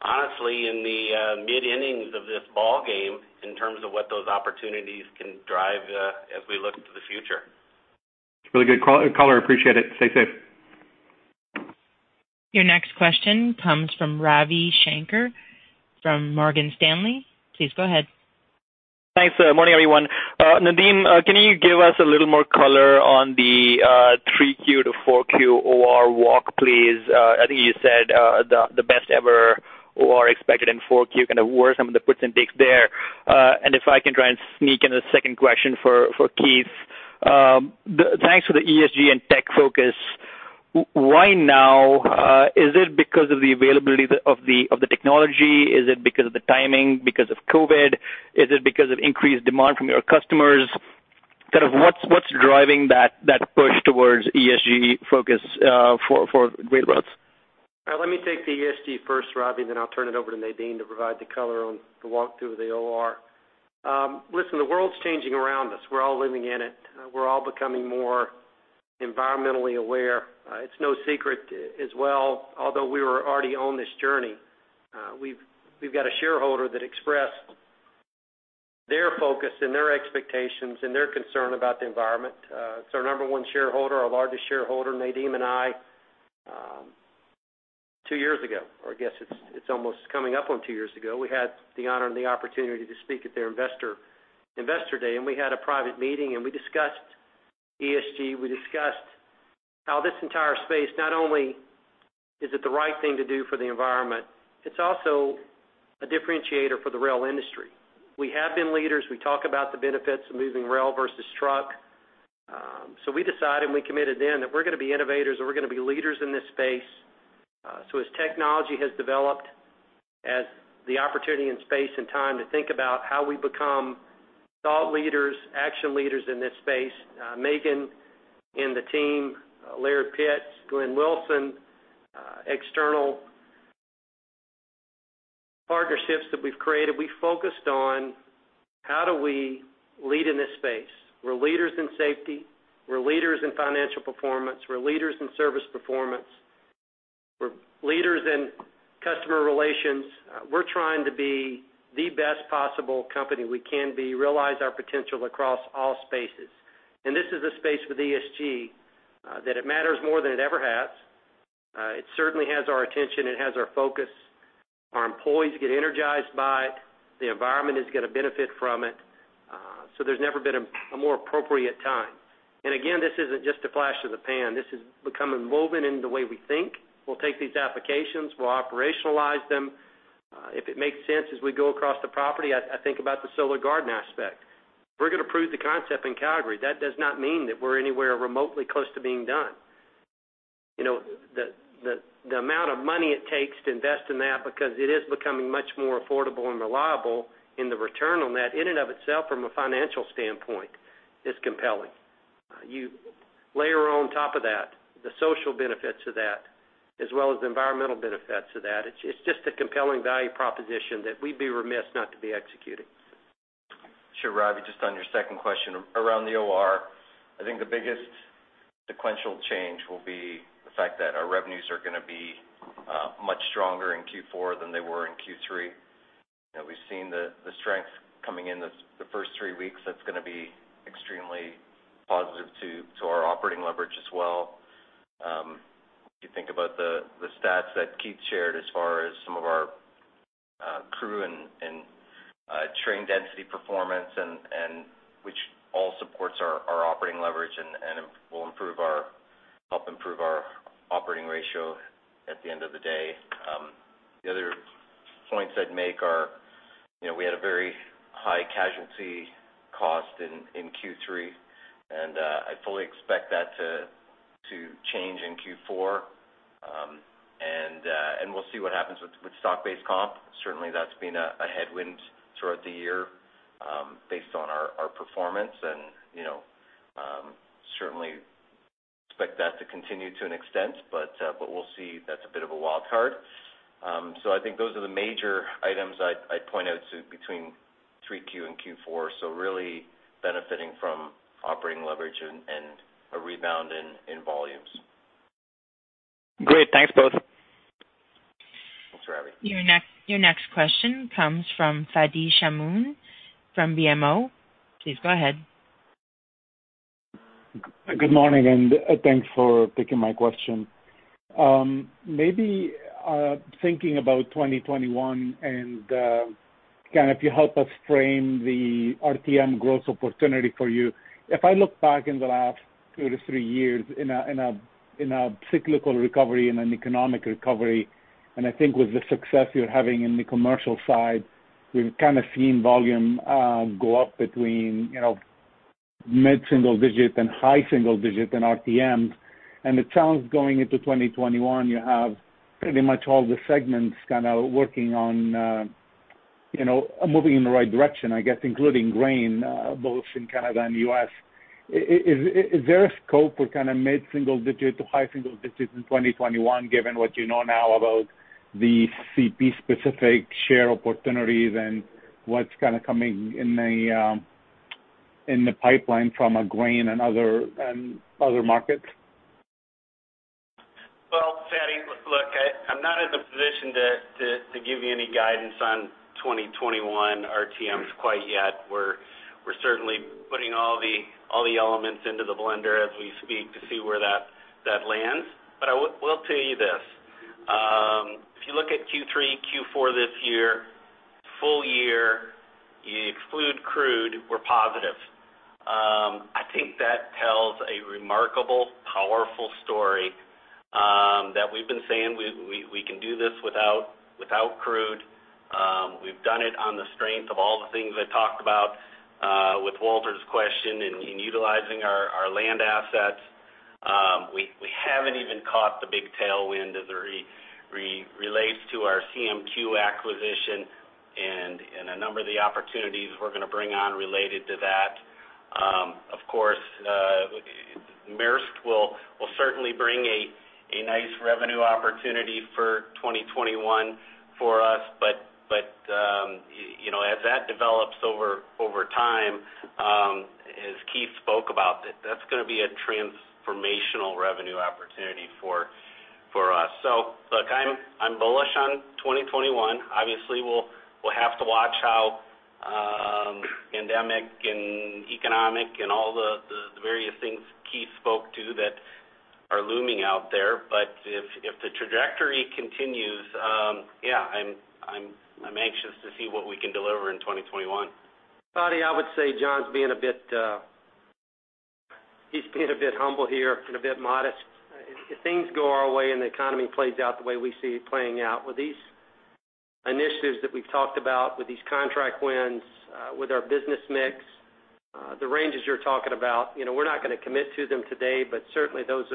honestly in the mid-innings of this ballgame in terms of what those opportunities can drive as we look to the future. It's really good color. Appreciate it. Stay safe. Your next question comes from Ravi Shanker from Morgan Stanley. Please go ahead. Thanks. Morning, everyone. Nadeem, can you give us a little more color on the Q3 to Q4 OR walk, please? I think you said the best ever OR expected in Q4, kind of where are some of the puts and takes there? If I can try and sneak in a second question for Keith. Thanks for the ESG and tech focus? Why now? Is it because of the availability of the technology? Is it because of the timing, because of COVID? Is it because of increased demand from your customers? What's driving that push towards ESG focus for railroads? Let me take the ESG first, Ravi, and then I'll turn it over to Nadeem to provide the color on the walkthrough of the OR. Listen, the world's changing around us. We're all living in it. We're all becoming more environmentally aware. It's no secret as well, although we were already on this journey. We've got a shareholder that expressed their focus and their expectations and their concern about the environment. It's our number one shareholder, our largest shareholder. Nadeem and I, two years ago, or I guess it's almost coming up on two years ago, we had the honor and the opportunity to speak at their investor day, and we had a private meeting and we discussed ESG. We discussed how this entire space, not only is it the right thing to do for the environment, it's also a differentiator for the rail industry. We have been leaders. We talk about the benefits of moving rail versus truck. We decided and we committed then that we're going to be innovators and we're going to be leaders in this space. As technology has developed, as the opportunity and space and time to think about how we become thought leaders, action leaders in this space, Maeghan and the team, Laird Pitz, Glenn Wilson, external partnerships that we've created, we focused on how do we lead in this space. We're leaders in safety, we're leaders in financial performance, we're leaders in service performance. We're leaders in customer relations. We're trying to be the best possible company we can be, realize our potential across all spaces. This is a space with ESG, that it matters more than it ever has. It certainly has our attention. It has our focus. Our employees get energized by it. The environment is going to benefit from it. There's never been a more appropriate time. Again, this isn't just a flash in the pan. This has become woven in the way we think. We'll take these applications, we'll operationalize them if it makes sense as we go across the property. I think about the solar garden aspect. If we're going to prove the concept in Calgary, that does not mean that we're anywhere remotely close to being done. The amount of money it takes to invest in that because it is becoming much more affordable and reliable, and the return on that in and of itself from a financial standpoint is compelling. You layer on top of that the social benefits of that, as well as the environmental benefits of that. It's just a compelling value proposition that we'd be remiss not to be executing. Sure, Ravi, just on your second question around the OR, I think the biggest sequential change will be the fact that our revenues are going to be much stronger in Q4 than they were in Q3. We've seen the strength coming in the first three weeks. That's going to be extremely positive to our operating leverage as well. If you think about the stats that Keith Creel shared as far as some of our crew and train density performance, which all supports our operating leverage and will help improve our operating ratio at the end of the day. The other points I'd make are we had a very high casualty cost in Q3. I fully expect that to change in Q4. We'll see what happens with stock-based comp. Certainly, that's been a headwind throughout the year based on our performance, and certainly expect that to continue to an extent, but we'll see. That's a bit of a wild card. I think those are the major items I'd point out between Q3 and Q4. Really benefiting from operating leverage and a rebound in volumes. Great. Thanks, both. Thanks, Ravi. Your next question comes from Fadi Chamoun from BMO. Please go ahead. Good morning, and thanks for taking my question. Maybe thinking about 2021, can you help us frame the RTM growth opportunity for you? If I look back in the last 2 to 3 years in a cyclical recovery, in an economic recovery, and I think with the success you're having in the commercial side, we've seen volume go up between mid-single-digit and high-single-digit in RTM. The challenge going into 2021, you have pretty much all the segments working on moving in the right direction, I guess, including grain, both in Canada and the U.S. Is there a scope for mid-single-digit to high-single-digits in 2021, given what you know now about the CP specific share opportunities and what's coming in the pipeline from a grain and other markets? Fadi, look, I'm not in a position to give you any guidance on 2021 RTMs quite yet. We're certainly putting all the elements into the blender as we speak to see where that lands. I will tell you this. If you look at Q3, Q4 this year, full year, you exclude crude, we're positive. I think that tells a remarkable, powerful story. We can do this without crude. We've done it on the strength of all the things I talked about, with Walter's question, in utilizing our land assets. We haven't even caught the big tailwind as it relates to our CMQ acquisition and a number of the opportunities we're going to bring on related to that. Of course, Maersk will certainly bring a nice revenue opportunity for 2021 for us. As that develops over time, as Keith spoke about, that's going to be a transformational revenue opportunity for us. Look, I'm bullish on 2021. Obviously, we'll have to watch how pandemic, and economic, and all the various things Keith spoke to that are looming out there. If the trajectory continues, yeah, I'm anxious to see what we can deliver in 2021. Fadi, I would say John's being a bit humble here and a bit modest. If things go our way and the economy plays out the way we see it playing out, with these initiatives that we've talked about, with these contract wins, with our business mix, the ranges you're talking about, we're not going to commit to them today, certainly those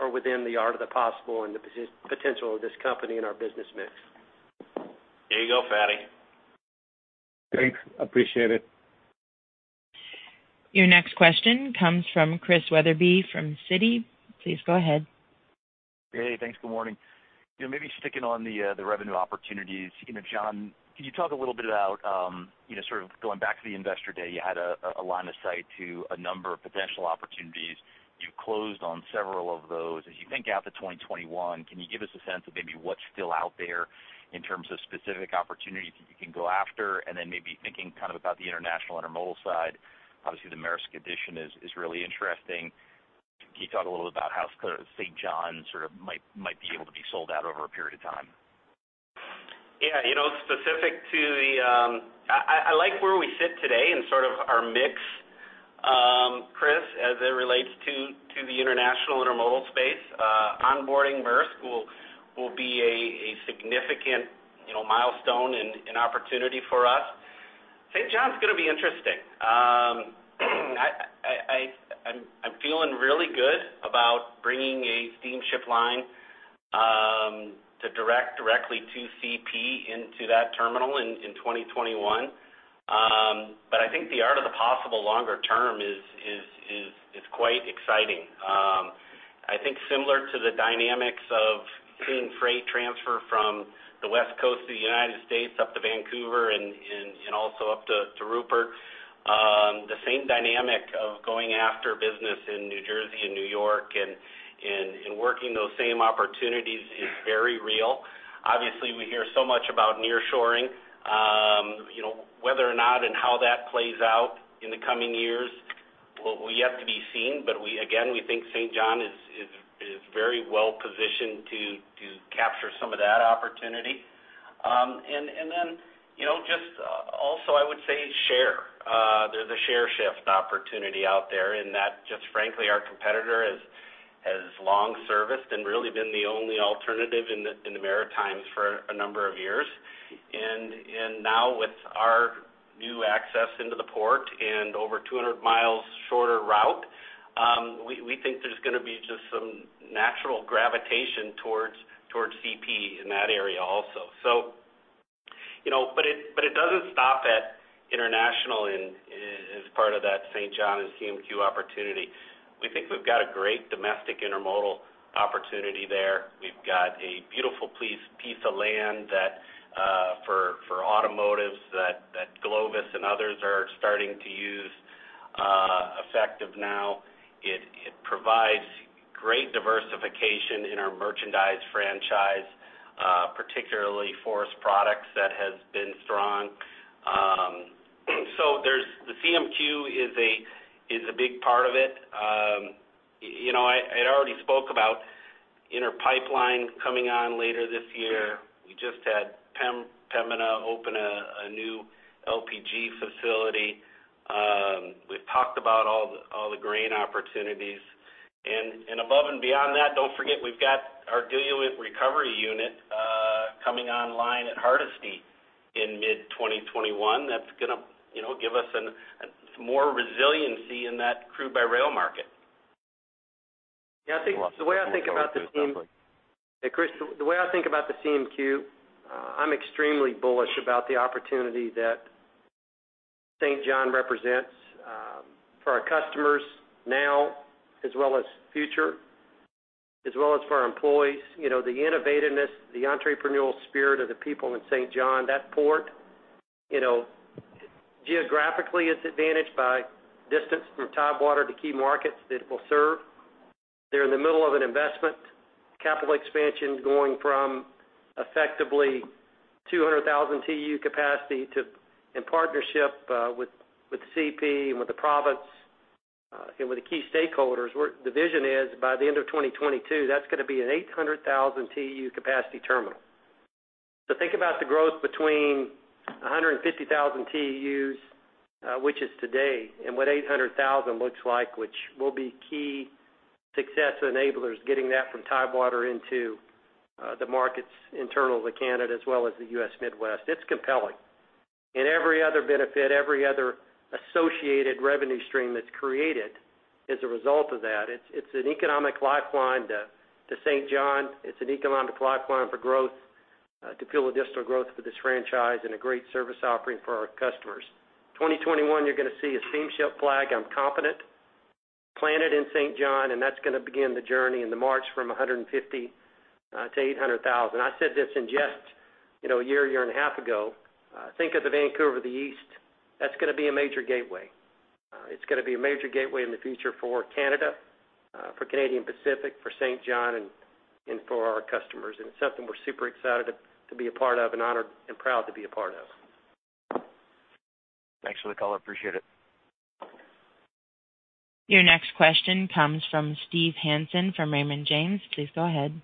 are within the art of the possible and the potential of this company and our business mix. There you go, Fadi. Thanks. Appreciate it. Your next question comes from Chris Wetherbee from Citi. Please go ahead. Hey, thanks. Good morning. Maybe sticking on the revenue opportunities, John, can you talk a little about, sort of going back to the Investor Day, you had a line of sight to a number of potential opportunities. You closed on several of those. As you think out to 2021, can you give us a sense of maybe what's still out there in terms of specific opportunities that you can go after? Maybe thinking kind of about the international intermodal side, obviously the Maersk addition is really interesting. Can you talk a little about how St. John sort of might be able to be sold out over a period of time? I like where we sit today and sort of our mix, Chris, as it relates to the international intermodal space. Onboarding Maersk will be a significant milestone and an opportunity for us. St. John's going to be interesting. I'm feeling really good about bringing a steamship line directly to CP into that terminal in 2021. I think the art of the possible longer term is quite exciting. I think similar to the dynamics of seeing freight transfer from the West Coast of the United States up to Vancouver and also up to Rupert, the same dynamic of going after business in New Jersey and New York and working those same opportunities is very real. Obviously, we hear so much about nearshoring. Whether or not and how that plays out in the coming years, well, we have to be seen. Again, we think St. John is very well positioned to capture some of that opportunity. Just also, I would say share. There's a share shift opportunity out there in that, just frankly, our competitor has long serviced and really been the only alternative in the Maritimes for a number of years. Now with our new access into the port and over 200 miles shorter route, we think there's going to be just some natural gravitation towards CP in that area also. It doesn't stop at international and as part of that St. John and CMQ opportunity. We think we've got a great domestic intermodal opportunity there. We've got a beautiful piece of land for automotives that Glovis and others are starting to use effective now. It provides great diversification in our merchandise franchise, particularly forest products that has been strong. The CMQ is a big part of it. I had already spoke about Inter Pipeline coming on later this year. We just had Pembina open a new LPG facility. We've talked about all the grain opportunities. Above and beyond that, don't forget we've got our diluent recovery unit coming online at Hardisty in mid 2021. That's going to give us some more resiliency in that crude by rail market. Yeah, Chris, the way I think about the CMQ, I'm extremely bullish about the opportunity that St. John represents for our customers now as well as future, as well as for our employees. The innovativeness, the entrepreneurial spirit of the people in Saint John, that port, geographically, it's advantaged by distance from tidewater to key markets that it will serve. They're in the middle of an investment, capital expansion going from effectively 200,000 TEU capacity in partnership with CP and with the province, and with the key stakeholders, the vision is by the end of 2022, that's going to be an 800,000 TEU capacity terminal. Think about the growth between 150,000 TEUs, which is today, and what 800,000 looks like, which will be key success enablers, getting that from tidewater into the markets internal to Canada as well as the U.S. Midwest. It's compelling. Every other benefit, every other associated revenue stream that's created as a result of that, it's an economic lifeline to St. John. It's an economic lifeline for growth, to fuel additional growth for this franchise, and a great service offering for our customers. 2021, you're going to see a steamship flag, I'm confident, planted in St. John, and that's going to begin the journey in the March from 150,000 to 800,000. I said this in just a year and a half ago. Think of the Vancouver of the east. That's going to be a major gateway. It's going to be a major gateway in the future for Canada, for Canadian Pacific, for St. John, and for our customers. It's something we're super excited to be a part of, and honored and proud to be a part of. Thanks for the call. I appreciate it. Your next question comes from Steve Hansen from Raymond James. Please go ahead.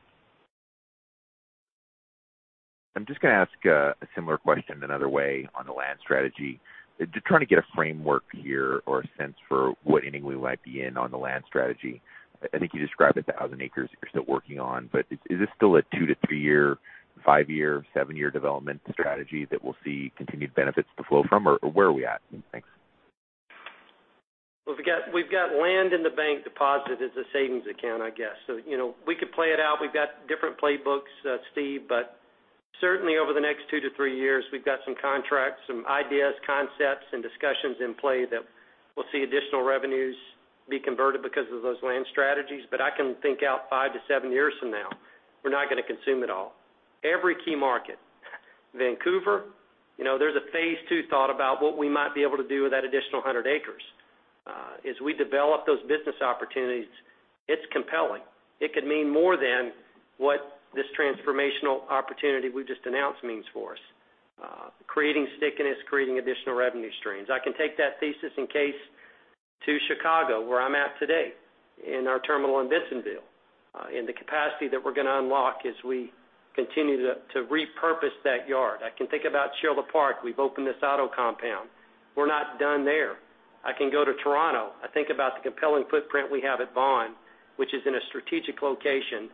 I'm just going to ask a similar question another way on the land strategy. Just trying to get a framework here or a sense for what inning we might be in on the land strategy. I think you described it, 1,000 acres you're still working on. Is this still a two-three year, five year, seven year development strategy that we'll see continued benefits to flow from, or where are we at? Thanks. Well, we've got land in the bank deposited as a savings account, I guess. We could play it out. We've got different playbooks, Steve, certainly over the next two to three years, we've got some contracts, some ideas, concepts, and discussions in play that we'll see additional revenues be converted because of those land strategies. I can think out five- seven years from now, we're not going to consume it all. Every key market. Vancouver, there's a phase II thought about what we might be able to do with that additional 100 acres. As we develop those business opportunities, it's compelling. It could mean more than what this transformational opportunity we just announced means for us. Creating stickiness, creating additional revenue streams. I can take that thesis and case to Chicago, where I'm at today in our terminal in Bensenville, and the capacity that we're going to unlock as we continue to repurpose that yard. I can think about Schiller Park. We've opened this auto compound. We're not done there. I can go to Toronto. I think about the compelling footprint we have at Vaughan, which is in a strategic location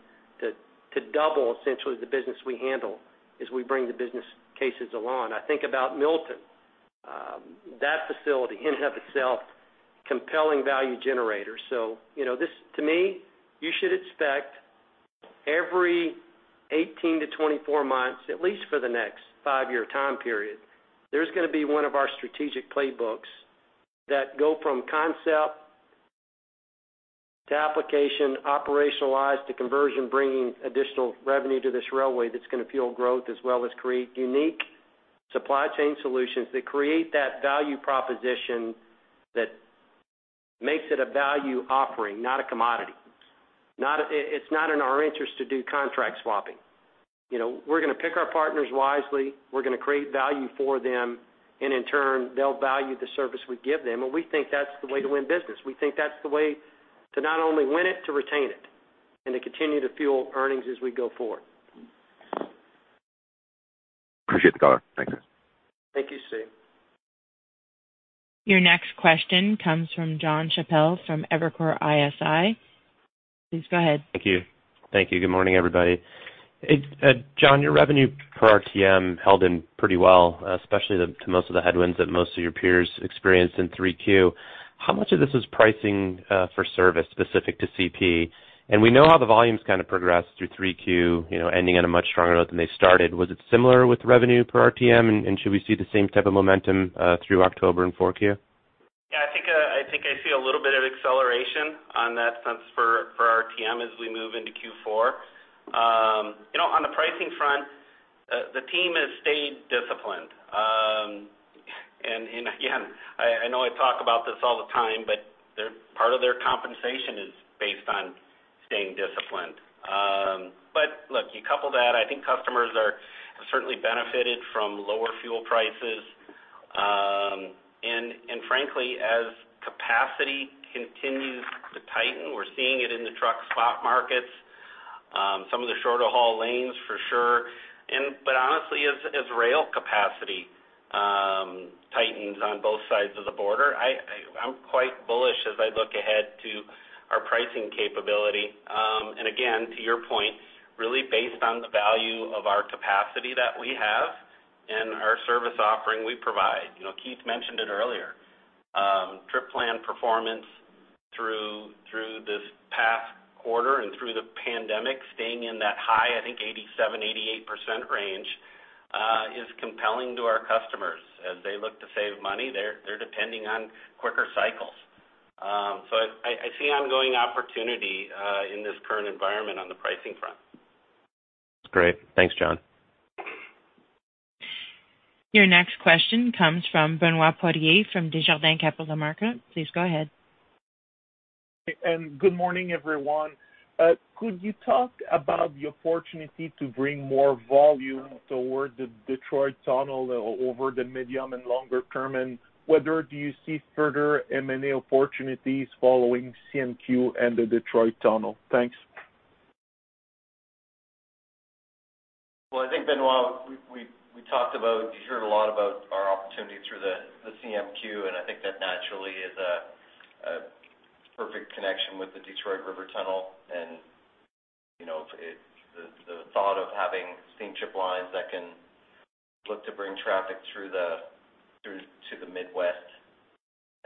to double essentially the business we handle as we bring the business cases along. I think about Milton. That facility in and of itself, compelling value generator. This, to me, you should expect every 18-24 months, at least for the next five-year time period, there's going to be one of our strategic playbooks that go from concept to application, operationalized to conversion, bringing additional revenue to this railway that's going to fuel growth as well as create unique supply chain solutions that create that value proposition that makes it a value offering, not a commodity. It's not in our interest to do contract swapping. We're going to pick our partners wisely. We're going to create value for them, and in turn, they'll value the service we give them, and we think that's the way to win business. We think that's the way to not only win it, to retain it, and to continue to fuel earnings as we go forward. Appreciate the call. Thanks. Thank you, Steve. Your next question comes from John Chappell from Evercore ISI. Please go ahead. Thank you. Good morning, everybody. John, your revenue per RTM held in pretty well, especially to most of the headwinds that most of your peers experienced in Q3. How much of this is pricing for service specific to CP? We know how the volumes kind of progressed through Q3, ending on a much stronger note than they started. Was it similar with revenue per RTM, and should we see the same type of momentum through October and Q4? Yeah, I think I see a little bit of acceleration on that sense for RTM as we move into Q4. On the pricing front, the team has stayed disciplined. Again, I know I talk about this all the time, but part of their compensation is based on staying disciplined. Look, you couple that, I think customers are certainly benefited from lower fuel prices. Frankly, as capacity continues to tighten, we're seeing it in the truck spot markets. Some of the shorter haul lanes for sure. Honestly, as rail capacity tightens on both sides of the border, I'm quite bullish as I look ahead to our pricing capability. Again, to your point, really based on the value of our capacity that we have and our service offering we provide. Keith mentioned it earlier. Trip plan performance through this past quarter and through the pandemic, staying in that high, I think 87%-88% range, is compelling to our customers. As they look to save money, they're depending on quicker cycles. I see ongoing opportunity in this current environment on the pricing front. That's great. Thanks, John. Your next question comes from Benoit Poirier from Desjardins Capital Markets. Please go ahead. Good morning, everyone. Could you talk about the opportunity to bring more volume toward the Detroit Tunnel over the medium and longer term? Whether do you see further M&A opportunities following CMQ and the Detroit Tunnel? Thanks. I think, Benoit, we talked about, you heard a lot about our opportunity through the CMQ, and I think that naturally is a perfect connection with the Detroit River Tunnel. The thought of having steamship lines that can look to bring traffic through to the Midwest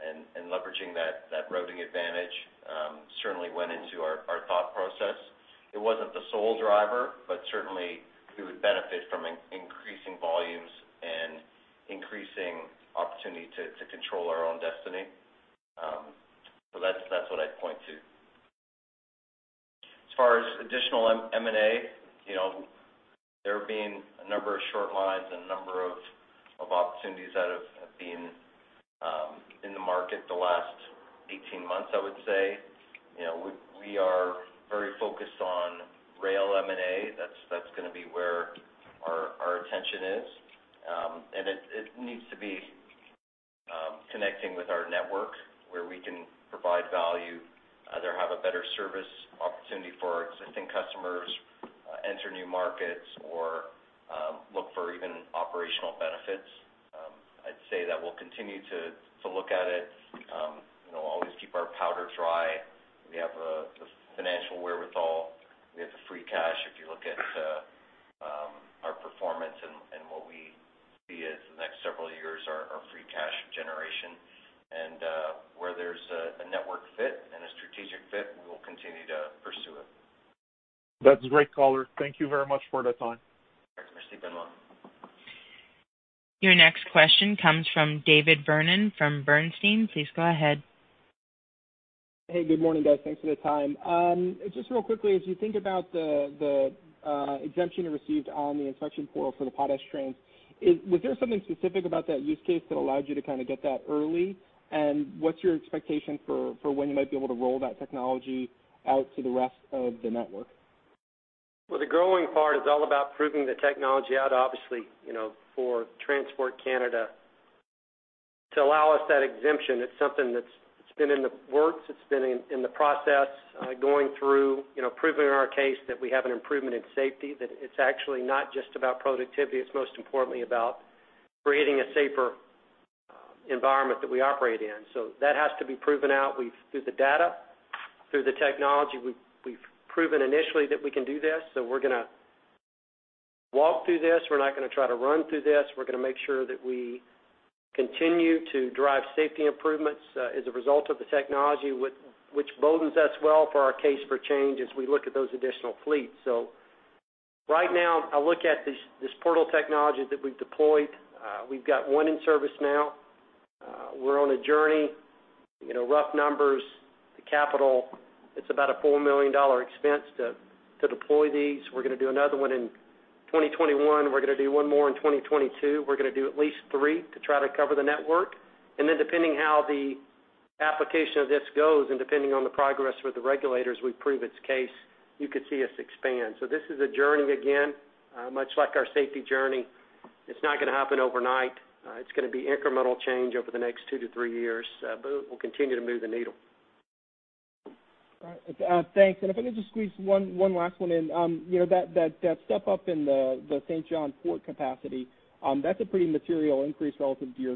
and leveraging that routing advantage certainly went into our thought process. It wasn't the sole driver, but certainly we would benefit from increasing volumes and increasing opportunity to control our own destiny. That's what I'd point to. As far as additional M&A, there have been a number of short lines and a number of opportunities that have been in the market the last 18 months, I would say. We are very focused on rail M&A. That's going to be where our attention is. It needs to be connecting with our network where we can provide value, either have a better service opportunity for our existing customers, enter new markets, or look for even operational benefits. I'd say that we'll continue to look at it and always keep our powder dry. We have the financial wherewithal. We have the free cash, if you look at our performance and what we see as the next several years, our free cash generation, and where there's a network fit and a strategic fit, we will continue to pursue it. That's great, color. Thank you very much for the time. Thanks, Merci, Benoit. Your next question comes from David Vernon from Bernstein. Please go ahead. Hey, good morning, guys. Thanks for the time. Just real quickly, as you think about the exemption you received on the inspection portal for the Potash trains, was there something specific about that use case that allowed you to kind of get that early? What's your expectation for when you might be able to roll that technology out to the rest of the network? The growing part is all about proving the technology out, obviously, for Transport Canada to allow us that exemption. It's something that's been in the works. It's been in the process, going through proving our case that we have an improvement in safety, that it's actually not just about productivity. It's most importantly about creating a safer environment that we operate in. That has to be proven out through the data, through the technology. We've proven initially that we can do this, we're going to walk through this. We're not going to try to run through this. We're going to make sure that we continue to drive safety improvements as a result of the technology, which bodes us well for our case for change as we look at those additional fleets. Right now, I look at this portal technology that we've deployed. We've got one in service now. We're on a journey. Rough numbers, the capital, it's about a 4 million dollar expense to deploy these. We're going to do another one in 2021. We're going to do one more in 2022. We're going to do at least three to try to cover the network. Depending how the application of this goes and depending on the progress with the regulators, we prove its case, you could see us expand. This is a journey, again, much like our safety journey. It's not going to happen overnight. It's going to be incremental change over the next two to three years. We'll continue to move the needle. All right, thanks. If I can just squeeze one last one in. That step up in the St. John port capacity, that's a pretty material increase relative to your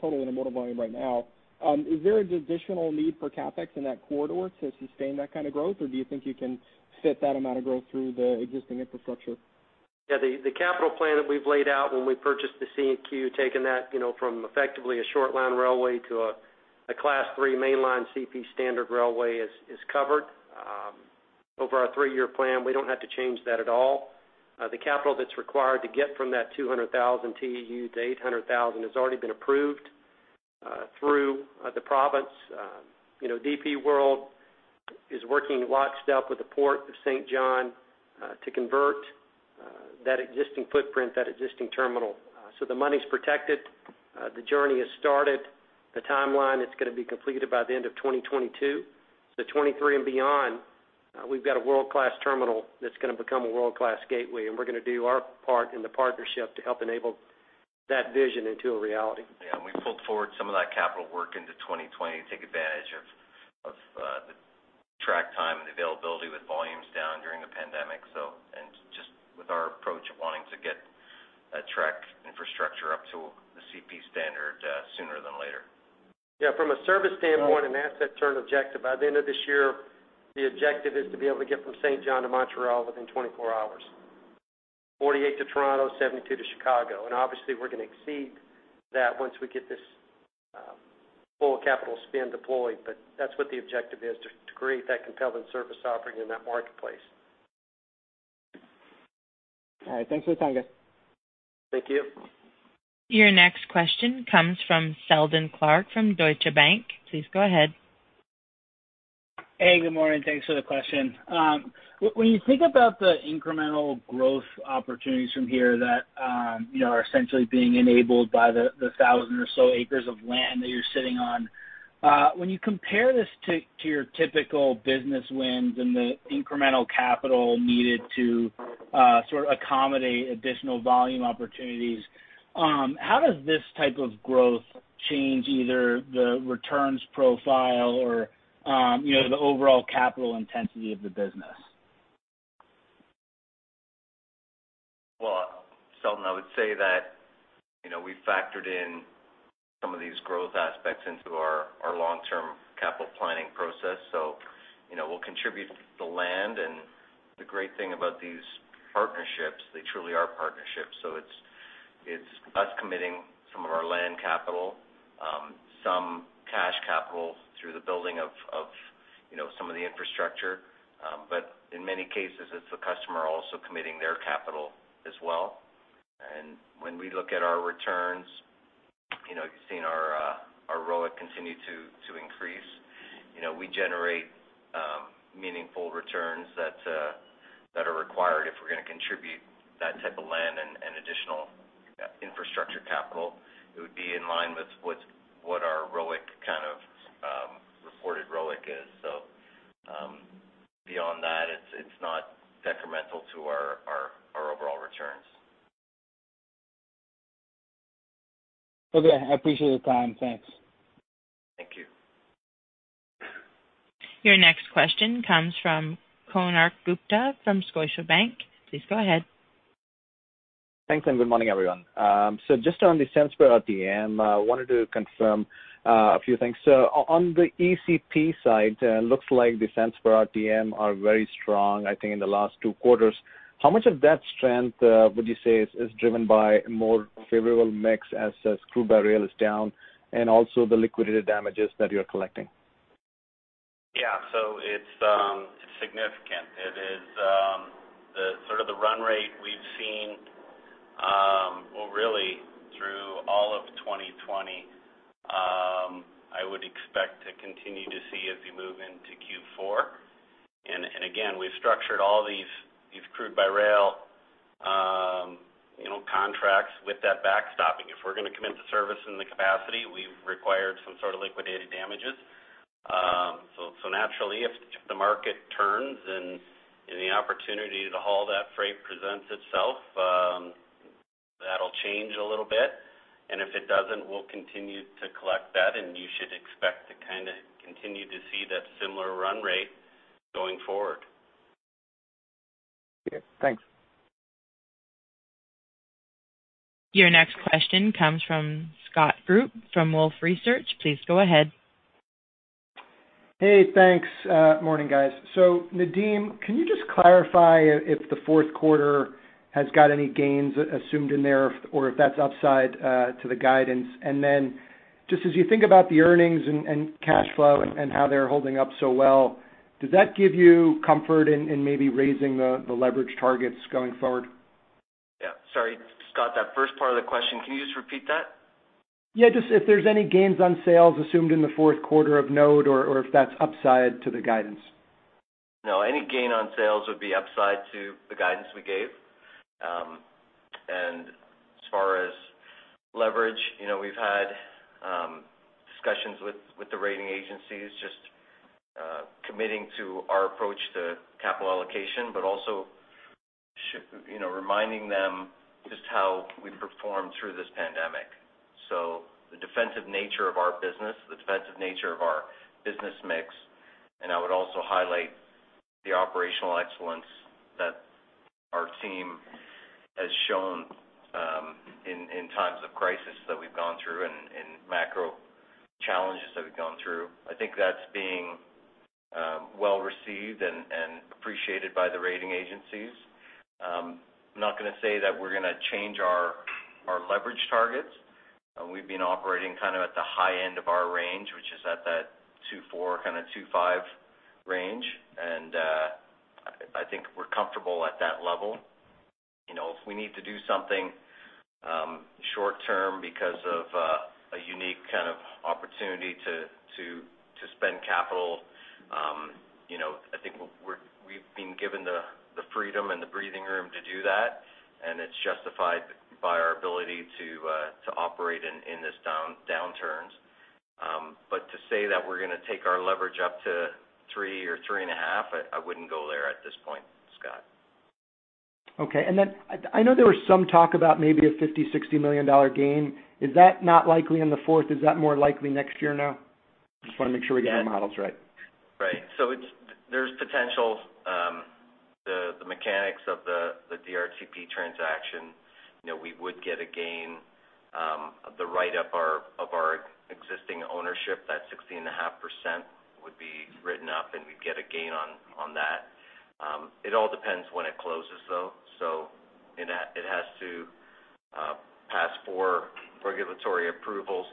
total intermodal volume right now. Is there an additional need for CapEx in that corridor to sustain that kind of growth, or do you think you can fit that amount of growth through the existing infrastructure? Yeah, the capital plan that we've laid out when we purchased the CMQ, taking that from effectively a short line railway to a Class 3 mainline CP standard railway is covered. Over our three-year plan, we don't have to change that at all. The capital that's required to get from that 200,000 TEU to 800,000 has already been approved through the province. DP World is working lockstep with the Port of St. John to convert that existing footprint, that existing terminal. The money's protected. The journey has started. The timeline, it's going to be completed by the end of 2022. 2023 and beyond, we've got a world-class terminal that's going to become a world-class gateway, and we're going to do our part in the partnership to help enable that vision into a reality. Yeah, we pulled forward some of that capital work into 2020 to take advantage of the track time and availability with volumes down during the pandemic, and just with our approach of wanting to get a track infrastructure up to the CP standard sooner than later. Yeah, from a service standpoint and asset turn objective, by the end of this year, the objective is to be able to get from St. John to Montreal within 24 hours, 48 to Toronto, 72 to Chicago. Obviously, we're going to exceed that once we get this full capital spin deployed. That's what the objective is, to create that compelling service offering in that marketplace. All right, thanks for the time, guys. Thank you. Your next question comes from Seldon Clarke from Deutsche Bank. Please go ahead. Hey, good morning. Thanks for the question. When you think about the incremental growth opportunities from here that are essentially being enabled by the 1,000 or so acres of land that you're sitting on, when you compare this to your typical business wins and the incremental capital needed to sort of accommodate additional volume opportunities, how does this type of growth change either the returns profile or the overall capital intensity of the business? Seldon, I would say that we've factored in some of these growth aspects into our long-term capital planning process, so we'll contribute the land. The great thing about these partnerships, they truly are partnerships. It's us committing some of our land capital, some cash capital through the building of some of the infrastructure. In many cases, it's the customer also committing their capital as well. When we look at our returns, you've seen our ROIC continue to increase. We generate meaningful returns that are required if we're going to contribute that type of land and additional infrastructure capital. It would be in line with what our ROIC, kind of reported ROIC is. Beyond that, it's not detrimental to our overall returns. Okay. I appreciate the time. Thanks. Thank you. Your next question comes from Konark Gupta from Scotiabank. Please go ahead. Thanks, and good morning, everyone. Just on the cents per RTM, wanted to confirm a few things. On the ECP side, looks like the cents per RTM are very strong, I think, in the last two quarters. How much of that strength would you say is driven by a more favorable mix as crude by rail is down and also the liquidated damages that you're collecting? Yeah. It's significant. It is the sort of the run rate we've seen, well, really through all of 2020, I would expect to continue to see as we move into Q4. Again, we've structured all these crude by rail contracts with that backstopping. If we're going to commit to service in the capacity, we've required some sort of liquidated damages. Naturally, if the market turns and the opportunity to haul that freight presents itself, that'll change a little bit. If it doesn't, we'll continue to collect that, and you should expect to kind of continue to see that similar run rate going forward. Okay. Thanks. Your next question comes from Scott Group from Wolfe Research. Please go ahead. Hey, thanks. Morning, guys. Nadeem, can you just clarify if the fourth quarter has got any gains assumed in there or if that's upside to the guidance? Just as you think about the earnings and cash flow and how they're holding up so well, does that give you comfort in maybe raising the leverage targets going forward? Yeah. Sorry, Scott, that first part of the question, can you just repeat that? Yeah, just if there's any gains on sales assumed in the fourth quarter or no, or if that's upside to the guidance? No, any gain on sales would be upside to the guidance we gave. As far as leverage, we've had discussions with the rating agencies just committing to our approach to capital allocation, but also reminding them just how we've performed through this pandemic. The defensive nature of our business, the defensive nature of our business mix, and I would also highlight the operational excellence that our team has shown in times of crisis that we've gone through and macro challenges that we've gone through. I think that's being well-received and appreciated by the rating agencies. I'm not going to say that we're going to change our leverage targets. We've been operating kind of at the high end of our range, which is at that 2.4-2.5 range. I think we're comfortable at that level. If we need to do something short-term because of a unique kind of opportunity to spend capital, I think we've been given the freedom and the breathing room to do that, and it's justified by our ability to operate in this downturn. To say that we're going to take our leverage up to 3 or 3.5, I wouldn't go there at this point, Scott. Okay. I know there was some talk about maybe a 50 million, 60 million dollar gain. Is that not likely in the fourth? Is that more likely next year now? Just want to make sure we get our models right. Right. There's potential. The mechanics of the DRTP transaction, we would get a gain of the write up of our existing ownership. That 16.5% would be written up, and we'd get a gain on that. It all depends when it closes, though. It has to pass for regulatory approvals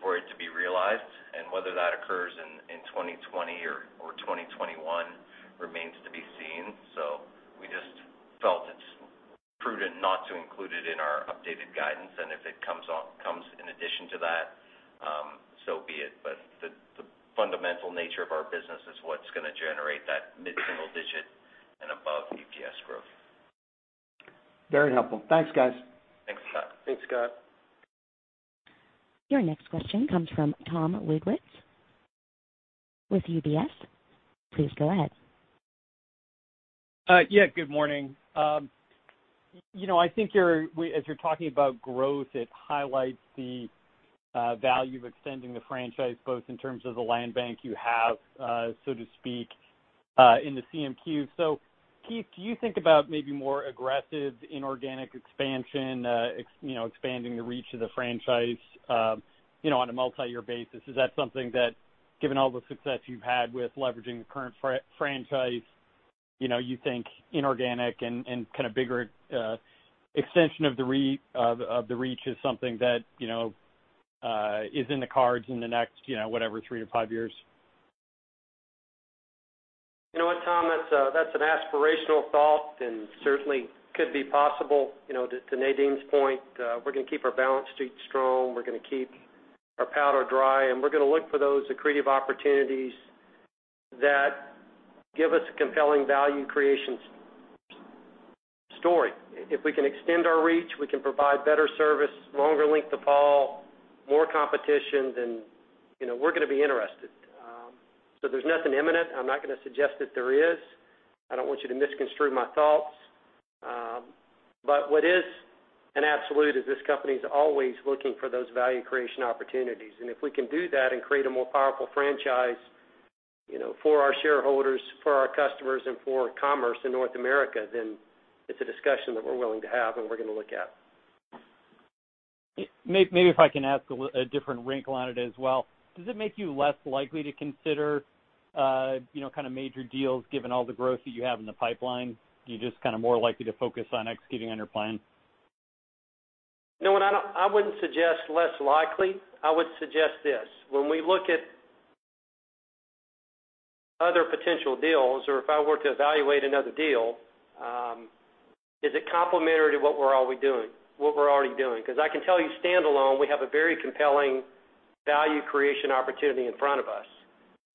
for it to be realized, and whether that occurs in 2020 or 2021 remains to be seen. We just felt it's prudent not to include it in our updated guidance, and if it comes in addition to that, so be it. The fundamental nature of our business is what's going to generate that mid-single digit and above EPS growth. Very helpful. Thanks, guys. Thanks, Scott. Thanks, Scott. Your next question comes from Tom Wadewitz with UBS. Please go ahead. Yeah. Good morning. I think as you're talking about growth, it highlights the value of extending the franchise, both in terms of the land bank you have, so to speak, in the CMQ. Keith, do you think about maybe more aggressive inorganic expansion, expanding the reach of the franchise on a multi-year basis? Is that something that, given all the success you've had with leveraging the current franchise, you think inorganic and bigger extension of the reach is something that is in the cards in the next three to five years? You know what, Tom, that's an aspirational thought and certainly could be possible. To Nadeem's point, we're going to keep our balance sheet strong, we're going to keep our powder dry, and we're going to look for those accretive opportunities that give us a compelling value creation story. If we can extend our reach, we can provide better service, longer length of haul, more competition, then we're going to be interested. There's nothing imminent. I'm not going to suggest that there is. I don't want you to misconstrue my thoughts. What is an absolute is this company's always looking for those value creation opportunities, and if we can do that and create a more powerful franchise for our shareholders, for our customers, and for commerce in North America, then it's a discussion that we're willing to have and we're going to look at. Maybe if I can ask a different wrinkle on it as well, does it make you less likely to consider major deals given all the growth that you have in the pipeline? You just more likely to focus on executing on your plan? No, I wouldn't suggest less likely. I would suggest this, when we look at other potential deals, or if I were to evaluate another deal, is it complementary to what we're already doing? Because I can tell you, standalone, we have a very compelling value creation opportunity in front of us.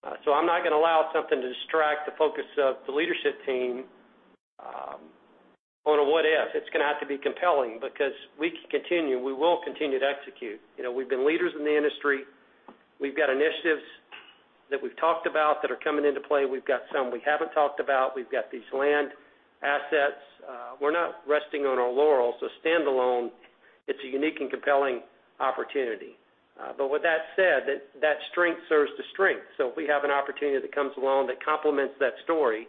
I'm not going to allow something to distract the focus of the leadership team on a what if. It's going to have to be compelling because we will continue to execute. We've been leaders in the industry. We've got initiatives that we've talked about that are coming into play. We've got some we haven't talked about. We've got these land assets. We're not resting on our laurels. Standalone, it's a unique and compelling opportunity. With that said, that strength serves the strength. If we have an opportunity that comes along that complements that story,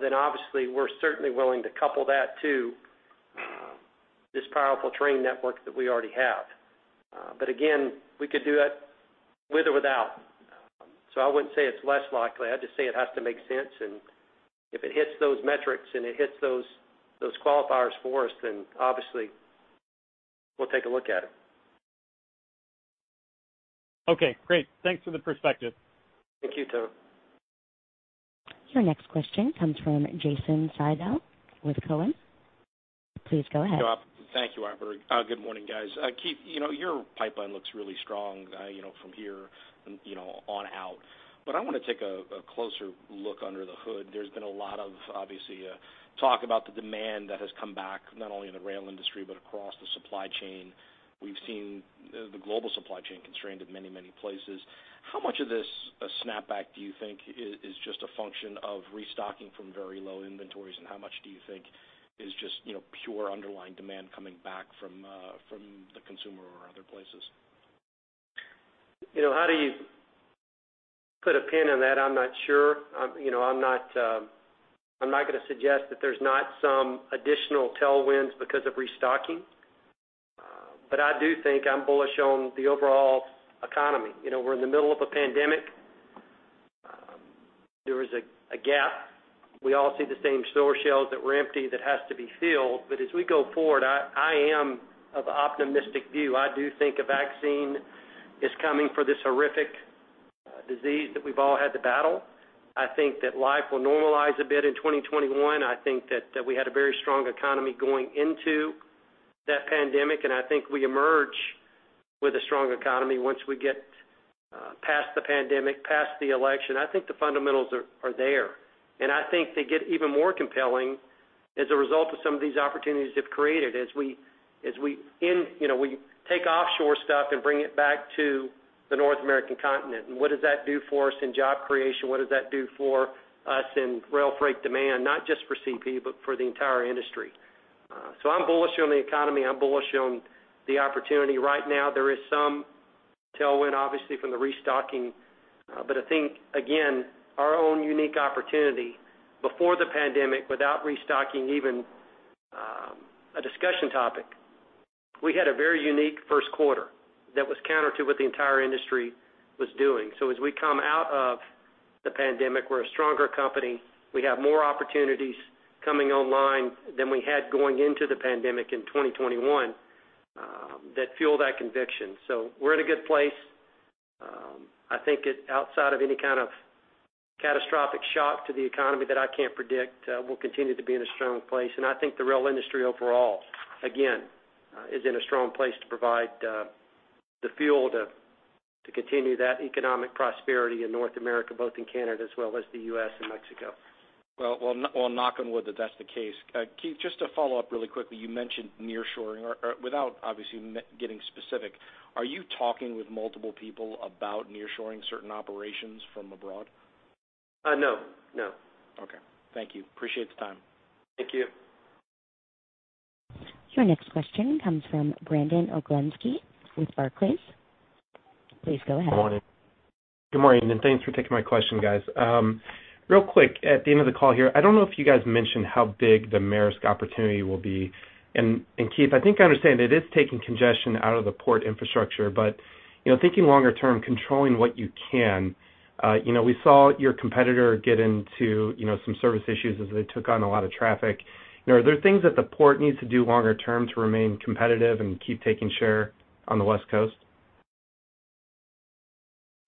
then obviously we're certainly willing to couple that to this powerful train network that we already have. Again, we could do it with or without. I wouldn't say it's less likely. I'd just say it has to make sense, and if it hits those metrics and it hits those qualifiers for us, then obviously we'll take a look at it. Okay, great. Thanks for the perspective. Thank you, Tom. Your next question comes from Jason Seidl with Cowen. Please go ahead. Thank you, operator. Good morning, guys. Keith, your pipeline looks really strong from here on out, but I want to take a closer look under the hood. There's been a lot of, obviously, talk about the demand that has come back, not only in the rail industry, but across the supply chain. We've seen the global supply chain constrained in many, many places. How much of this snap back do you think is just a function of restocking from very low inventories, and how much do you think is just pure underlying demand coming back from the consumer or other places? How do you put a pin in that? I'm not sure. I'm not going to suggest that there's not some additional tailwinds because of restocking. I do think I'm bullish on the overall economy. We're in the middle of a pandemic. There is a gap. We all see the same store shelves that were empty that has to be filled. As we go forward, I am of optimistic view. I do think a vaccine is coming for this horrific disease that we've all had to battle. I think that life will normalize a bit in 2021. I think that we had a very strong economy going into that pandemic, and I think we emerge with a strong economy once we get past the pandemic, past the election. I think the fundamentals are there. I think they get even more compelling as a result of some of these opportunities we've created as we take offshore stuff and bring it back to the North American continent. What does that do for us in job creation? What does that do for us in rail freight demand, not just for CP, but for the entire industry? I'm bullish on the economy. I'm bullish on the opportunity. Right now, there is some tailwind, obviously, from the restocking. I think, again, our own unique opportunity before the pandemic, without restocking even a discussion topic, we had a very unique first quarter that was counter to what the entire industry was doing. As we come out of the pandemic, we're a stronger company. We have more opportunities coming online than we had going into the pandemic in 2021 that fuel that conviction. We're in a good place. I think outside of any kind of catastrophic shock to the economy that I can't predict, we'll continue to be in a strong place. I think the rail industry overall, again, is in a strong place to provide the fuel to continue that economic prosperity in North America, both in Canada as well as the U.S. and Mexico. Knock on wood that that's the case. Keith, just to follow up really quickly, you mentioned nearshoring. Without obviously getting specific, are you talking with multiple people about nearshoring certain operations from abroad? No. Okay. Thank you. Appreciate the time. Thank you. Your next question comes from Brandon Oglenski with Barclays. Please go ahead. Good morning, and thanks for taking my question, guys. Real quick, at the end of the call here, I don't know if you guys mentioned how big the Maersk opportunity will be. Keith, I think I understand it is taking congestion out of the port infrastructure, but thinking longer term, controlling what you can, we saw your competitor get into some service issues as they took on a lot of traffic. Are there things that the port needs to do longer term to remain competitive and keep taking share on the West Coast?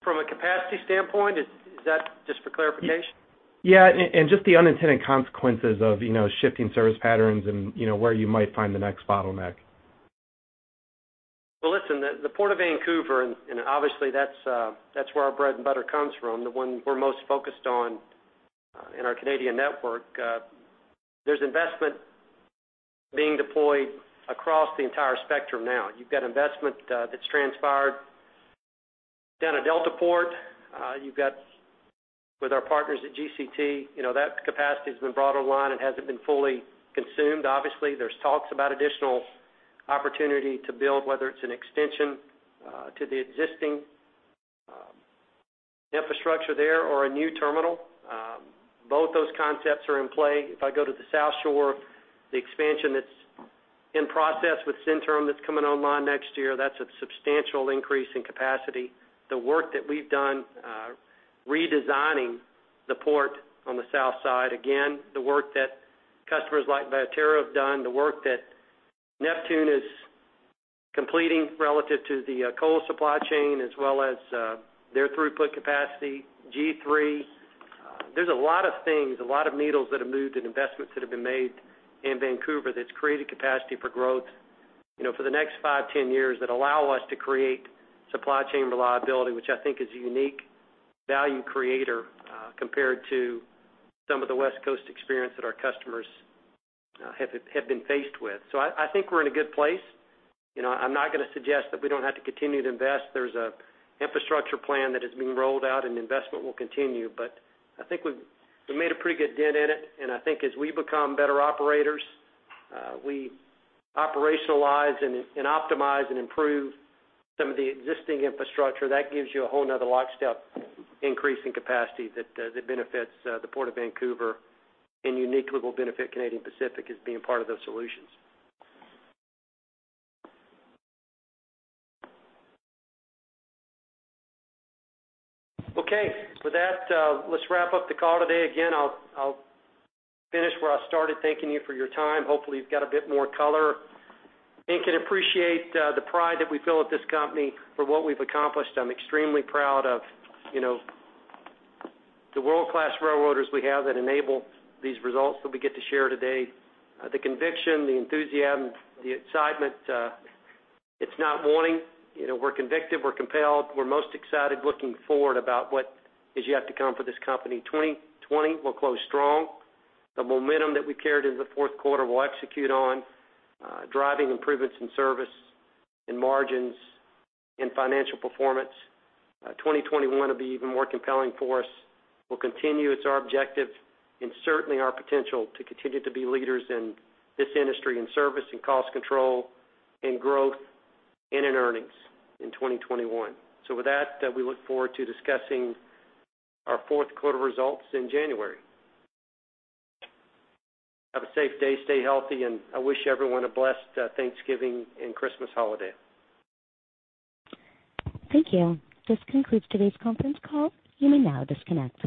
From a capacity standpoint? Is that just for clarification? Yeah, just the unintended consequences of shifting service patterns and where you might find the next bottleneck. Well, listen, the Port of Vancouver, obviously that's where our bread and butter comes from, the one we're most focused on in our Canadian network. There's investment being deployed across the entire spectrum now. You've got investment that's transpired down at Deltaport. You've got with our partners at GCT, that capacity has been brought online and hasn't been fully consumed. Obviously, there's talks about additional opportunity to build, whether it's an extension to the existing infrastructure there or a new terminal. Both those concepts are in play. If I go to the South Shore, the expansion that's in process with Centerm that's coming online next year, that's a substantial increase in capacity. The work that we've done redesigning the port on the south side, again, the work that customers like Viterra have done, the work that Neptune is completing relative to the coal supply chain, as well as their throughput capacity, G3. There's a lot of things, a lot of needles that have moved and investments that have been made in Vancouver that's created capacity for growth for the next five, 10 years that allow us to create supply chain reliability, which I think is a unique value creator compared to some of the West Coast experience that our customers have been faced with. I think we're in a good place. I'm not going to suggest that we don't have to continue to invest. There's an infrastructure plan that is being rolled out. Investment will continue. I think we've made a pretty good dent in it. I think as we become better operators, we operationalize and optimize and improve some of the existing infrastructure. That gives you a whole other lockstep increase in capacity that benefits the Port of Vancouver and uniquely will benefit Canadian Pacific as being part of those solutions. Okay. With that, let's wrap up the call today. Again, I'll finish where I started, thanking you for your time. Hopefully, you've got a bit more color and can appreciate the pride that we feel at this company for what we've accomplished. I'm extremely proud of the world-class railroaders we have that enable these results that we get to share today. The conviction, the enthusiasm, the excitement, it's not waning. We're convicted, we're compelled, we're most excited looking forward about what is yet to come for this company. 2020 will close strong. The momentum that we carried into the fourth quarter, we'll execute on, driving improvements in service and margins and financial performance. 2021 will be even more compelling for us. We'll continue. It's our objective and certainly our potential to continue to be leaders in this industry in service and cost control and growth and in earnings in 2021. With that, we look forward to discussing our fourth quarter results in January. Have a safe day, stay healthy, and I wish everyone a blessed Thanksgiving and Christmas holiday. Thank you. This concludes today's conference call. You may now disconnect.